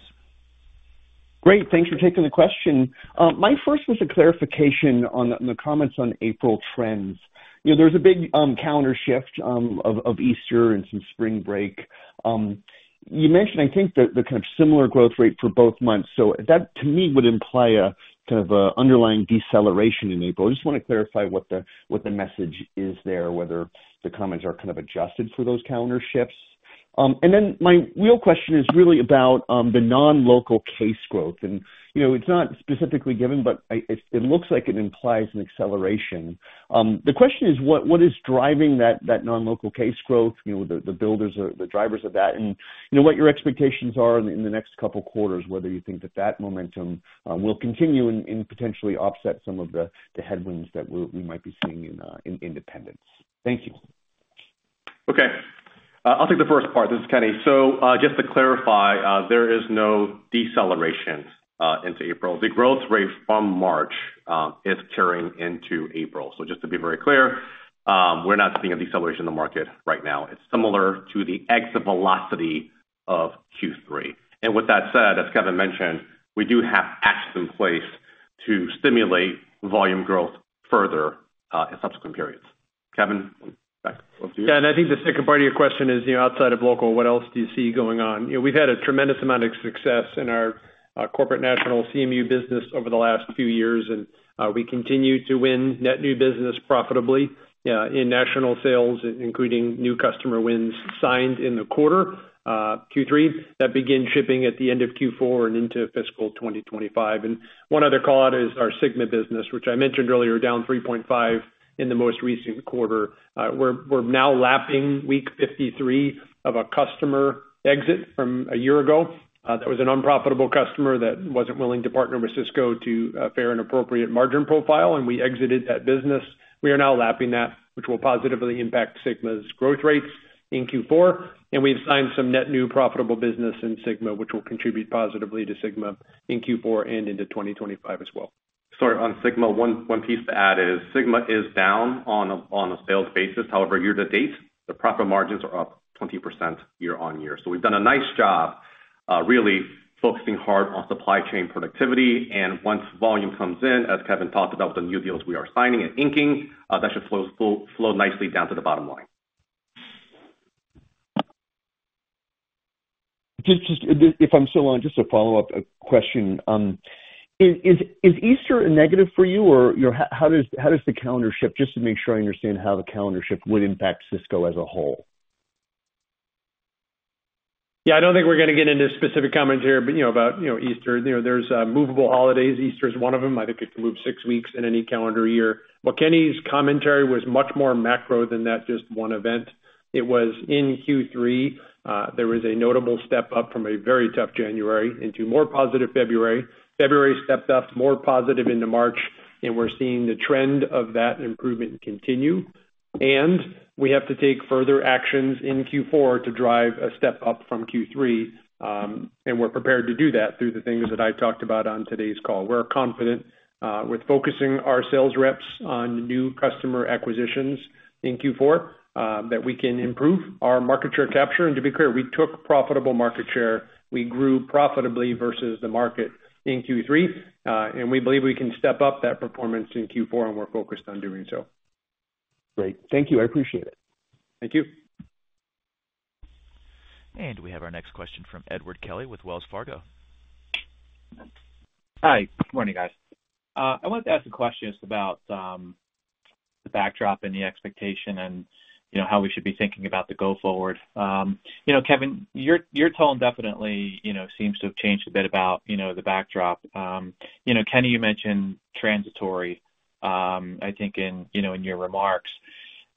Great. Thanks for taking the question. My first was a clarification on the comments on April trends. There's a big calendar shift of Easter and some spring break. You mentioned, I think, the kind of similar growth rate for both months. So that, to me, would imply a kind of underlying deceleration in April. I just want to clarify what the message is there, whether the comments are kind of adjusted for those calendar shifts. And then my real question is really about the non-local case growth. And it's not specifically given, but it looks like it implies an acceleration. The question is, what is driving that non-local case growth, the builders, the drivers of that, and what your expectations are in the next couple of quarters, whether you think that that momentum will continue and potentially offset some of the headwinds that we might be seeing in independents. Thank you. Okay. I'll take the first part. This is Kenny. So just to clarify, there is no deceleration into April. The growth rate from March is carrying into April. So just to be very clear, we're not seeing a deceleration in the market right now. It's similar to the exit velocity of Q3. And with that said, as Kevin mentioned, we do have actions in place to stimulate volume growth further in subsequent periods. Kevin, back to you. Yeah. I think the second part of your question is, outside of local, what else do you see going on? We've had a tremendous amount of success in our corporate national CMU business over the last few years, and we continue to win net new business profitably in national sales, including new customer wins signed in the quarter, Q3. That begins shipping at the end of Q4 and into fiscal 2025. One other call-out is our SYGMA business, which I mentioned earlier, down 3.5% in the most recent quarter. We're now lapping week 53 of a customer exit from a year ago. That was an unprofitable customer that wasn't willing to partner with Sysco to share an appropriate margin profile, and we exited that business. We are now lapping that, which will positively impact SYGMA's growth rates in Q4. We've signed some net new profitable business in SYGMA, which will contribute positively to SYGMA in Q4 and into 2025 as well. Sorry, on SYGMA, one piece to add is SYGMA is down on a sales basis. However, year to date, the profit margins are up 20% year-over-year. So we've done a nice job really focusing hard on supply chain productivity. And once volume comes in, as Kevin talked about with the new deals we are signing and inking, that should flow nicely down to the bottom line. If I'm still on, just a follow-up question. Is Easter a negative for you, or how does the calendar shift just to make sure I understand how the calendar shift would impact Sysco as a whole? Yeah, I don't think we're going to get into specific comments here about Easter. There's movable holidays. Easter is one of them. I think you can move six weeks in any calendar year. Well, Kenny's commentary was much more macro than that just one event. It was in Q3. There was a notable step up from a very tough January into more positive February. February stepped up more positive into March, and we're seeing the trend of that improvement continue. And we have to take further actions in Q4 to drive a step up from Q3. And we're prepared to do that through the things that I talked about on today's call. We're confident with focusing our sales reps on new customer acquisitions in Q4 that we can improve our market share capture. And to be clear, we took profitable market share. We grew profitably versus the market in Q3. We believe we can step up that performance in Q4, and we're focused on doing so. Great. Thank you. I appreciate it. Thank you. We have our next question from Ed Kelly with Wells Fargo. Hi. Good morning, guys. I wanted to ask a question just about the backdrop and the expectation and how we should be thinking about the go forward. Kevin, your tone definitely seems to have changed a bit about the backdrop. Kenny, you mentioned transitory, I think, in your remarks.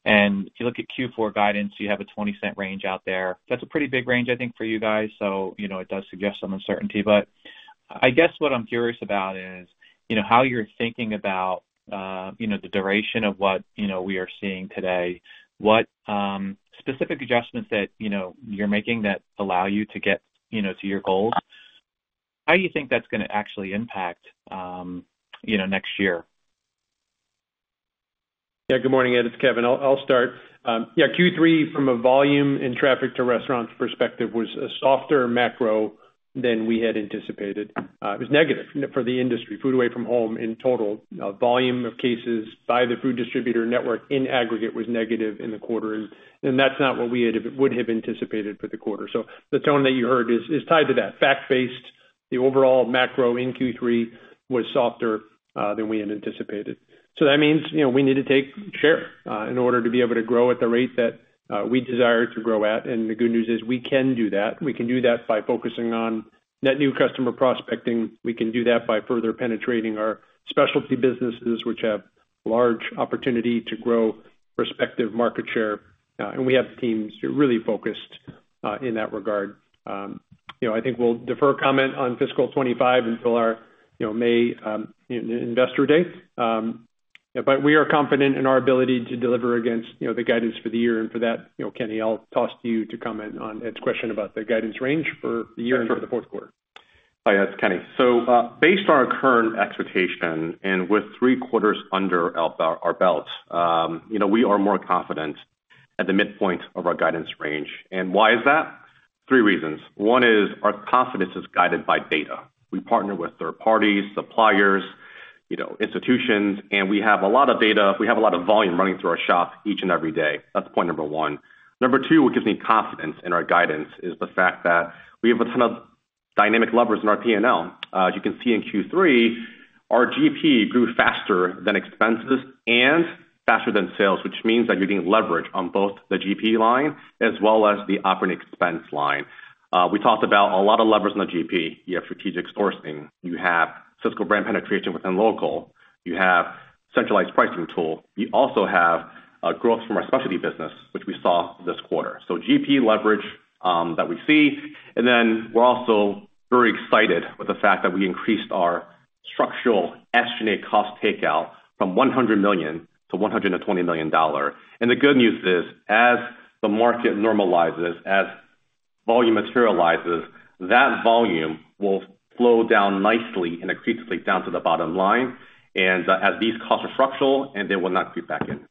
And if you look at Q4 guidance, you have a $0.20 range out there. That's a pretty big range, I think, for you guys. So it does suggest some uncertainty. But I guess what I'm curious about is how you're thinking about the duration of what we are seeing today, what specific adjustments that you're making that allow you to get to your goals. How do you think that's going to actually impact next year? Yeah. Good morning. It's Kevin. I'll start. Yeah, Q3, from a volume and traffic to restaurants perspective, was a softer macro than we had anticipated. It was negative for the industry, food away from home in total. Volume of cases by the food distributor network in aggregate was negative in the quarter. And that's not what we would have anticipated for the quarter. So the tone that you heard is tied to that, fact-based. The overall macro in Q3 was softer than we had anticipated. So that means we need to take share in order to be able to grow at the rate that we desire to grow at. And the good news is we can do that. We can do that by focusing on net new customer prospecting. We can do that by further penetrating our specialty businesses, which have large opportunity to grow respective market share. We have teams really focused in that regard. I think we'll defer a comment on fiscal 2025 until our May Investor Day. But we are confident in our ability to deliver against the guidance for the year. For that, Kenny, I'll toss to you to comment on Ed's question about the guidance range for the year and for the Q4. Hi. It's Kenny. So based on our current expectation and with three quarters under our belt, we are more confident at the midpoint of our guidance range. And why is that? Three reasons. One is our confidence is guided by data. We partner with third parties, suppliers, institutions, and we have a lot of data. We have a lot of volume running through our shop each and every day. That's point number one. Number two, what gives me confidence in our guidance is the fact that we have a ton of dynamic levers in our P&L. As you can see in Q3, our GP grew faster than expenses and faster than sales, which means that you're getting leverage on both the GP line as well as the operating expense line. We talked about a lot of levers in the GP. You have strategic sourcing. You have Sysco brand penetration within local. You have a centralized pricing tool. You also have growth from our specialty business, which we saw this quarter. So GP leverage that we see. And then we're also very excited with the fact that we increased our structural estimated cost takeout from $100 million to $120 million. And the good news is, as the market normalizes, as volume materializes, that volume will flow down nicely and accretively down to the bottom line. And as these costs are structural, they will not creep back in.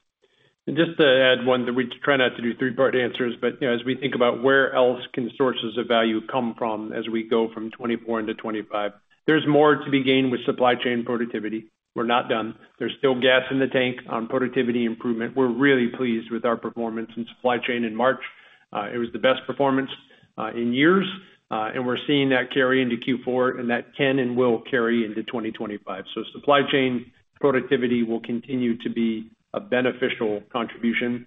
And just to add one, we try not to do three-part answers. But as we think about where else can sources of value come from as we go from 2024 into 2025, there's more to be gained with supply chain productivity. We're not done. There's still gas in the tank on productivity improvement. We're really pleased with our performance in supply chain in March. It was the best performance in years. And we're seeing that carry into Q4, and that can and will carry into 2025. So supply chain productivity will continue to be a beneficial contribution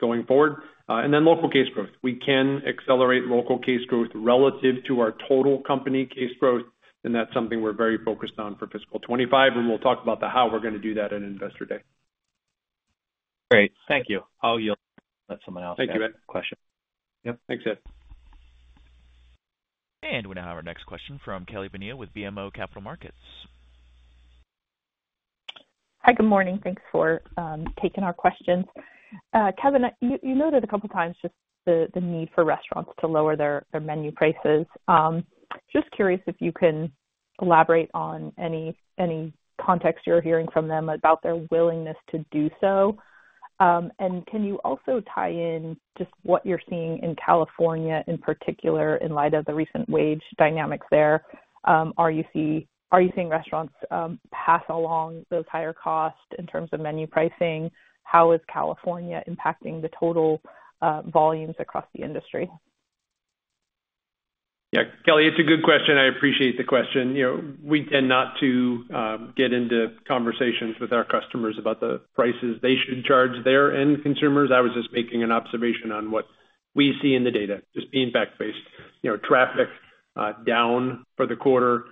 going forward. And then local case growth. We can accelerate local case growth relative to our total company case growth. And that's something we're very focused on for fiscal 2025. And we'll talk about the how we're going to do that in Investor Day. Great. Thank you. I'll let someone else ask a question. Thank you, Ed. Yep. Thanks, Ed. We now have our next question from Kelly Bania with BMO Capital Markets. Hi. Good morning. Thanks for taking our questions. Kevin, you noted a couple of times just the need for restaurants to lower their menu prices. Just curious if you can elaborate on any context you're hearing from them about their willingness to do so. Can you also tie in just what you're seeing in California in particular in light of the recent wage dynamics there? Are you seeing restaurants pass along those higher costs in terms of menu pricing? How is California impacting the total volumes across the industry? Yeah. Kelly, it's a good question. I appreciate the question. We tend not to get into conversations with our customers about the prices they should charge their end consumers. I was just making an observation on what we see in the data, just being fact-based. Traffic down for the quarter,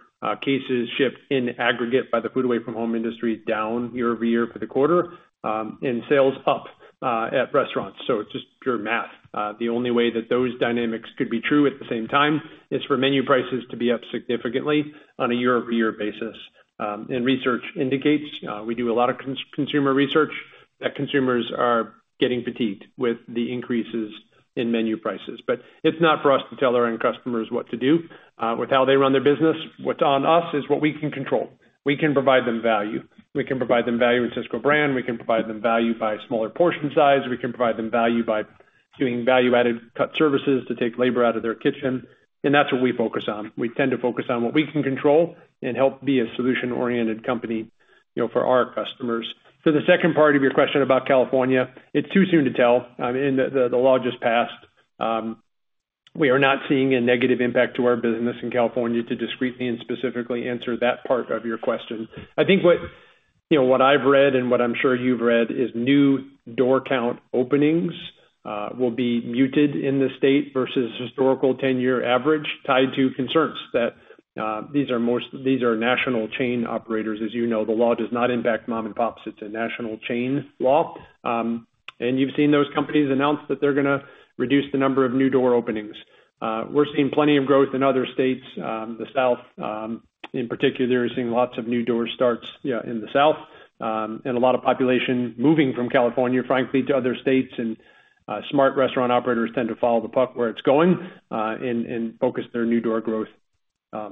cases shipped in aggregate by the food away-from-home industry down year-over-year for the quarter, and sales up at restaurants. So it's just pure math. The only way that those dynamics could be true at the same time is for menu prices to be up significantly on a year-over-year basis. And research indicates we do a lot of consumer research that consumers are getting fatigued with the increases in menu prices. But it's not for us to tell our end customers what to do with how they run their business. What's on us is what we can control. We can provide them value. We can provide them value in Sysco brand. We can provide them value by smaller portion size. We can provide them value by doing value-added cut services to take labor out of their kitchen. And that's what we focus on. We tend to focus on what we can control and help be a solution-oriented company for our customers. For the second part of your question about California, it's too soon to tell. In the law just passed, we are not seeing a negative impact to our business in California to discreetly and specifically answer that part of your question. I think what I've read and what I'm sure you've read is new door count openings will be muted in the state versus historical 10-year average tied to concerns that these are national chain operators. As you know, the law does not impact mom-and-pops. It's a national chain law. And you've seen those companies announce that they're going to reduce the number of new door openings. We're seeing plenty of growth in other states. The South, in particular, is seeing lots of new door starts in the South and a lot of population moving from California, frankly, to other states. And smart restaurant operators tend to follow the puck where it's going and focus their new door growth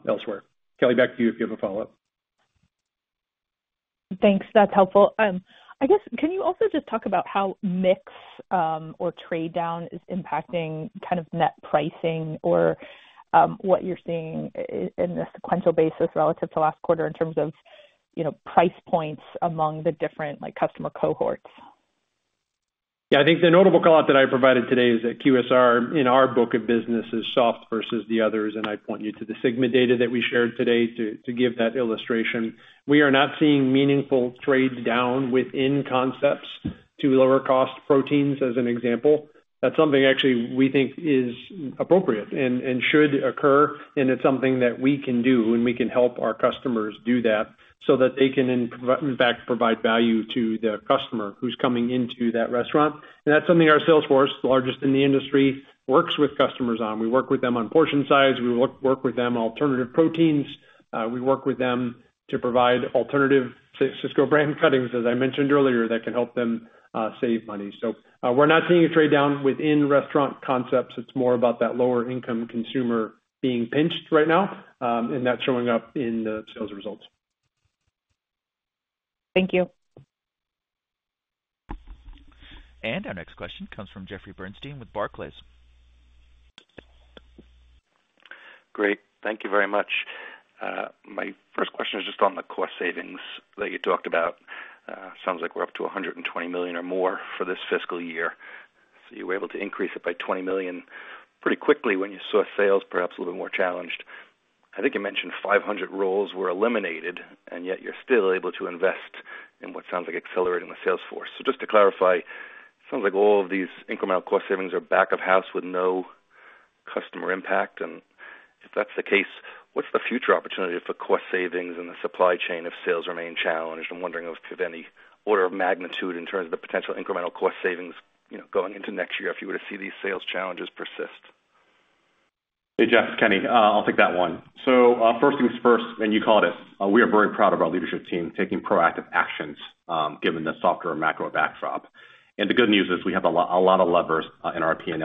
elsewhere. Kelly, back to you if you have a follow-up. Thanks. That's helpful. I guess, can you also just talk about how mix or trade-down is impacting kind of net pricing or what you're seeing in a sequential basis relative to last quarter in terms of price points among the different customer cohorts? Yeah. I think the notable call-out that I provided today is that QSR, in our book of business, is soft versus the others. I point you to the SYGMA data that we shared today to give that illustration. We are not seeing meaningful trade-down within concepts to lower-cost proteins, as an example. That's something, actually, we think is appropriate and should occur. It's something that we can do, and we can help our customers do that so that they can, in fact, provide value to the customer who's coming into that restaurant. That's something our sales force, the largest in the industry, works with customers on. We work with them on portion size. We work with them on alternative proteins. We work with them to provide alternative Sysco brand cuttings, as I mentioned earlier, that can help them save money. We're not seeing a trade-down within restaurant concepts. It's more about that lower-income consumer being pinched right now, and that's showing up in the sales results. Thank you. Our next question comes from Jeffrey Bernstein with Barclays. Great. Thank you very much. My first question is just on the cost savings that you talked about. Sounds like we're up to $120 million or more for this fiscal year. So you were able to increase it by $20 million pretty quickly when you saw sales perhaps a little bit more challenged. I think you mentioned 500 roles were eliminated, and yet you're still able to invest in what sounds like accelerating the sales force. So just to clarify, it sounds like all of these incremental cost savings are back of house with no customer impact. And if that's the case, what's the future opportunity for cost savings and the supply chain if sales remain challenged? I'm wondering if you have any order of magnitude in terms of the potential incremental cost savings going into next year if you were to see these sales challenges persist. Hey, Jeff. Kenny, I'll take that one. So first things first, and you caught us, we are very proud of our leadership team taking proactive actions given the softer macro backdrop. And the good news is we have a lot of levers in our P&L. In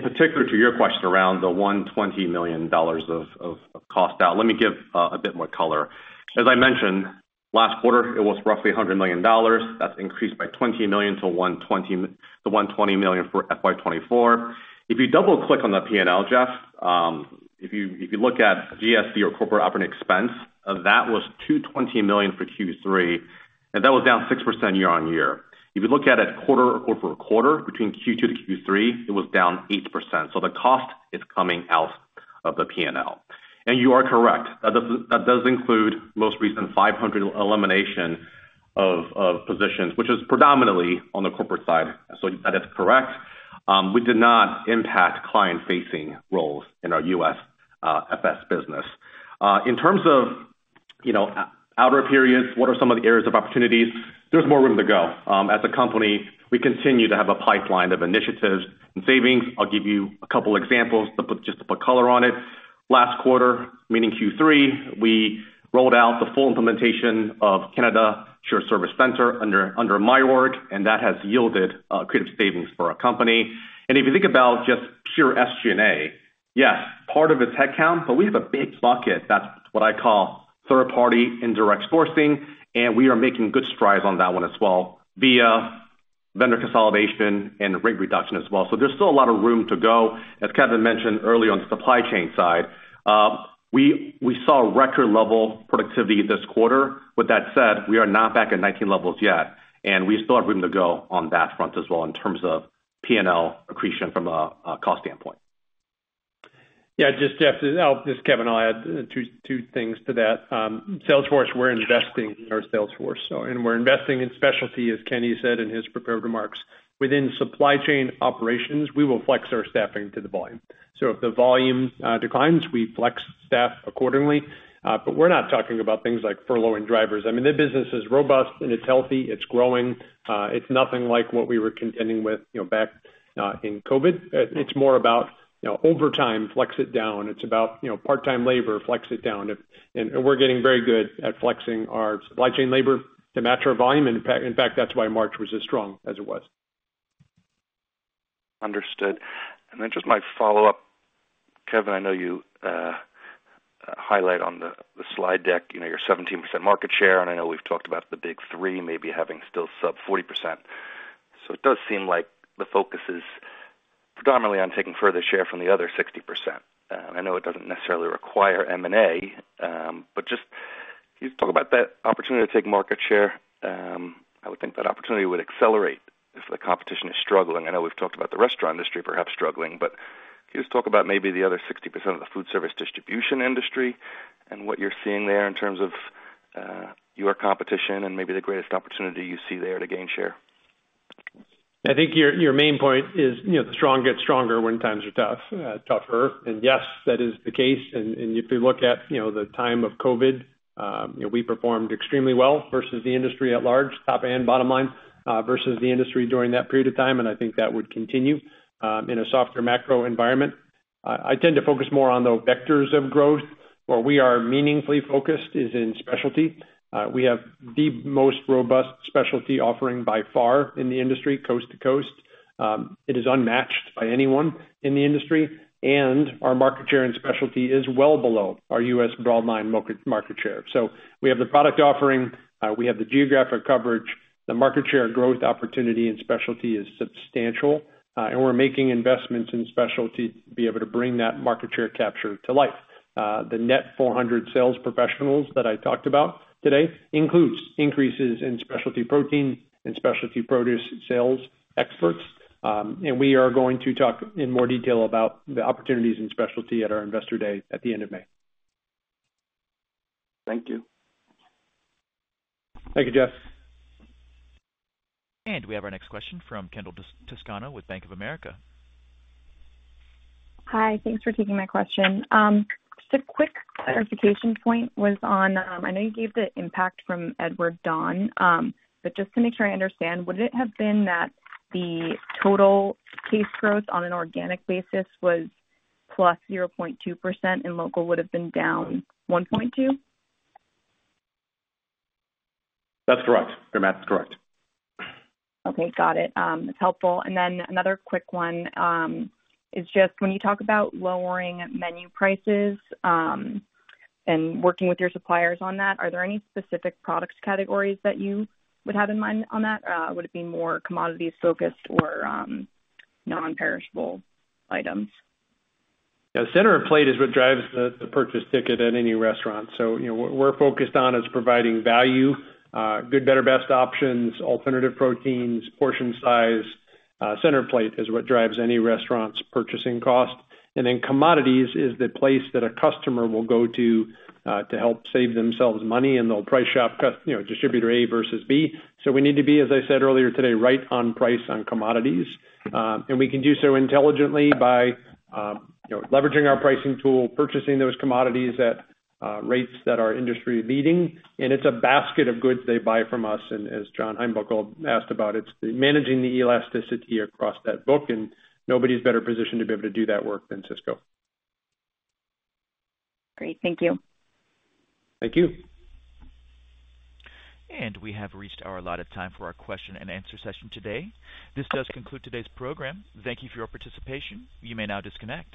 particular, to your question around the $120 million of cost out, let me give a bit more color. As I mentioned, last quarter, it was roughly $100 million. That's increased by $20 million to the $120 million for FY24. If you double-click on the P&L, Jeff, if you look at GSD or corporate operating expense, that was $220 million for Q3, and that was down 6% year-over-year. If you look at it quarter-over-quarter, between Q2 to Q3, it was down 8%. So the cost is coming out of the P&L. And you are correct. That does include most recent 500 elimination of positions, which is predominantly on the corporate side. So that is correct. We did not impact client-facing roles in our USFS business. In terms of outer periods, what are some of the areas of opportunities? There's more room to go. As a company, we continue to have a pipeline of initiatives and savings. I'll give you a couple of examples just to put color on it. Last quarter, meaning Q3, we rolled out the full implementation of Canada Shared Service Center under my work, and that has yielded creative savings for our company. If you think about just pure SG&A, yes, part of its headcount, but we have a big bucket. That's what I call third-party indirect sourcing. We are making good strides on that one as well via vendor consolidation and rate reduction as well. There's still a lot of room to go. As Kevin mentioned earlier on the supply chain side, we saw record-level productivity this quarter. With that said, we are not back at 19 levels yet. We still have room to go on that front as well in terms of P&L accretion from a cost standpoint. Yeah. Just, Jeff, I'll just, Kevin, I'll add two things to that. Sales force, we're investing in our sales force. And we're investing in specialty, as Kenny said in his prepared remarks, within supply chain operations. We will flex our staffing to the volume. So if the volume declines, we flex staff accordingly. But we're not talking about things like furloughing drivers. I mean, the business is robust, and it's healthy. It's growing. It's nothing like what we were contending with back in COVID. It's more about overtime, flex it down. It's about part-time labor, flex it down. And we're getting very good at flexing our supply chain labor to match our volume. And in fact, that's why March was as strong as it was. Understood. Then just my follow-up, Kevin. I know you highlight on the slide deck your 17% market share. I know we've talked about the big three, maybe having still sub-40%. So it does seem like the focus is predominantly on taking further share from the other 60%. I know it doesn't necessarily require M&A, but just can you talk about that opportunity to take market share? I would think that opportunity would accelerate if the competition is struggling. I know we've talked about the restaurant industry perhaps struggling, but can you just talk about maybe the other 60% of the foodservice distribution industry and what you're seeing there in terms of your competition and maybe the greatest opportunity you see there to gain share? I think your main point is the strong get stronger when times are tougher. Yes, that is the case. If you look at the time of COVID, we performed extremely well versus the industry at large, top end, bottom line, versus the industry during that period of time. I think that would continue in a softer macro environment. I tend to focus more on the vectors of growth. Where we are meaningfully focused is in specialty. We have the most robust specialty offering by far in the industry coast to coast. It is unmatched by anyone in the industry. Our market share in specialty is well below our US broadline market share. We have the product offering. We have the geographic coverage. The market share growth opportunity in specialty is substantial. We're making investments in specialty to be able to bring that market share capture to life. The net 400 sales professionals that I talked about today includes increases in specialty protein and specialty produce sales experts. We are going to talk in more detail about the opportunities in specialty at our investor day at the end of May. Thank you. Thank you, Jeff. We have our next question from Kendall Toscano with Bank of America. Hi. Thanks for taking my question. Just a quick clarification point was on I know you gave the impact from Edward Don. But just to make sure I understand, would it have been that the total case growth on an organic basis was +0.2% and local would have been -1.2%? That's correct. Your math is correct. Okay. Got it. That's helpful. And then another quick one is just when you talk about lowering menu prices and working with your suppliers on that, are there any specific product categories that you would have in mind on that? Would it be more commodities-focused or non-perishable items? Yeah. Center of plate is what drives the purchase ticket at any restaurant. So what we're focused on is providing value, good, better, best options, alternative proteins, portion size. Center of plate is what drives any restaurant's purchasing cost. And then commodities is the place that a customer will go to to help save themselves money. And they'll price shop distributor A versus B. So we need to be, as I said earlier today, right on price on commodities. And we can do so intelligently by leveraging our pricing tool, purchasing those commodities at rates that our industry is leading. And it's a basket of goods they buy from us. And as John Heinbockel asked about, it's managing the elasticity across that book. And nobody's better positioned to be able to do that work than Sysco. Great. Thank you. Thank you. We have reached our allotted time for our question-and-answer session today. This does conclude today's program. Thank you for your participation. You may now disconnect.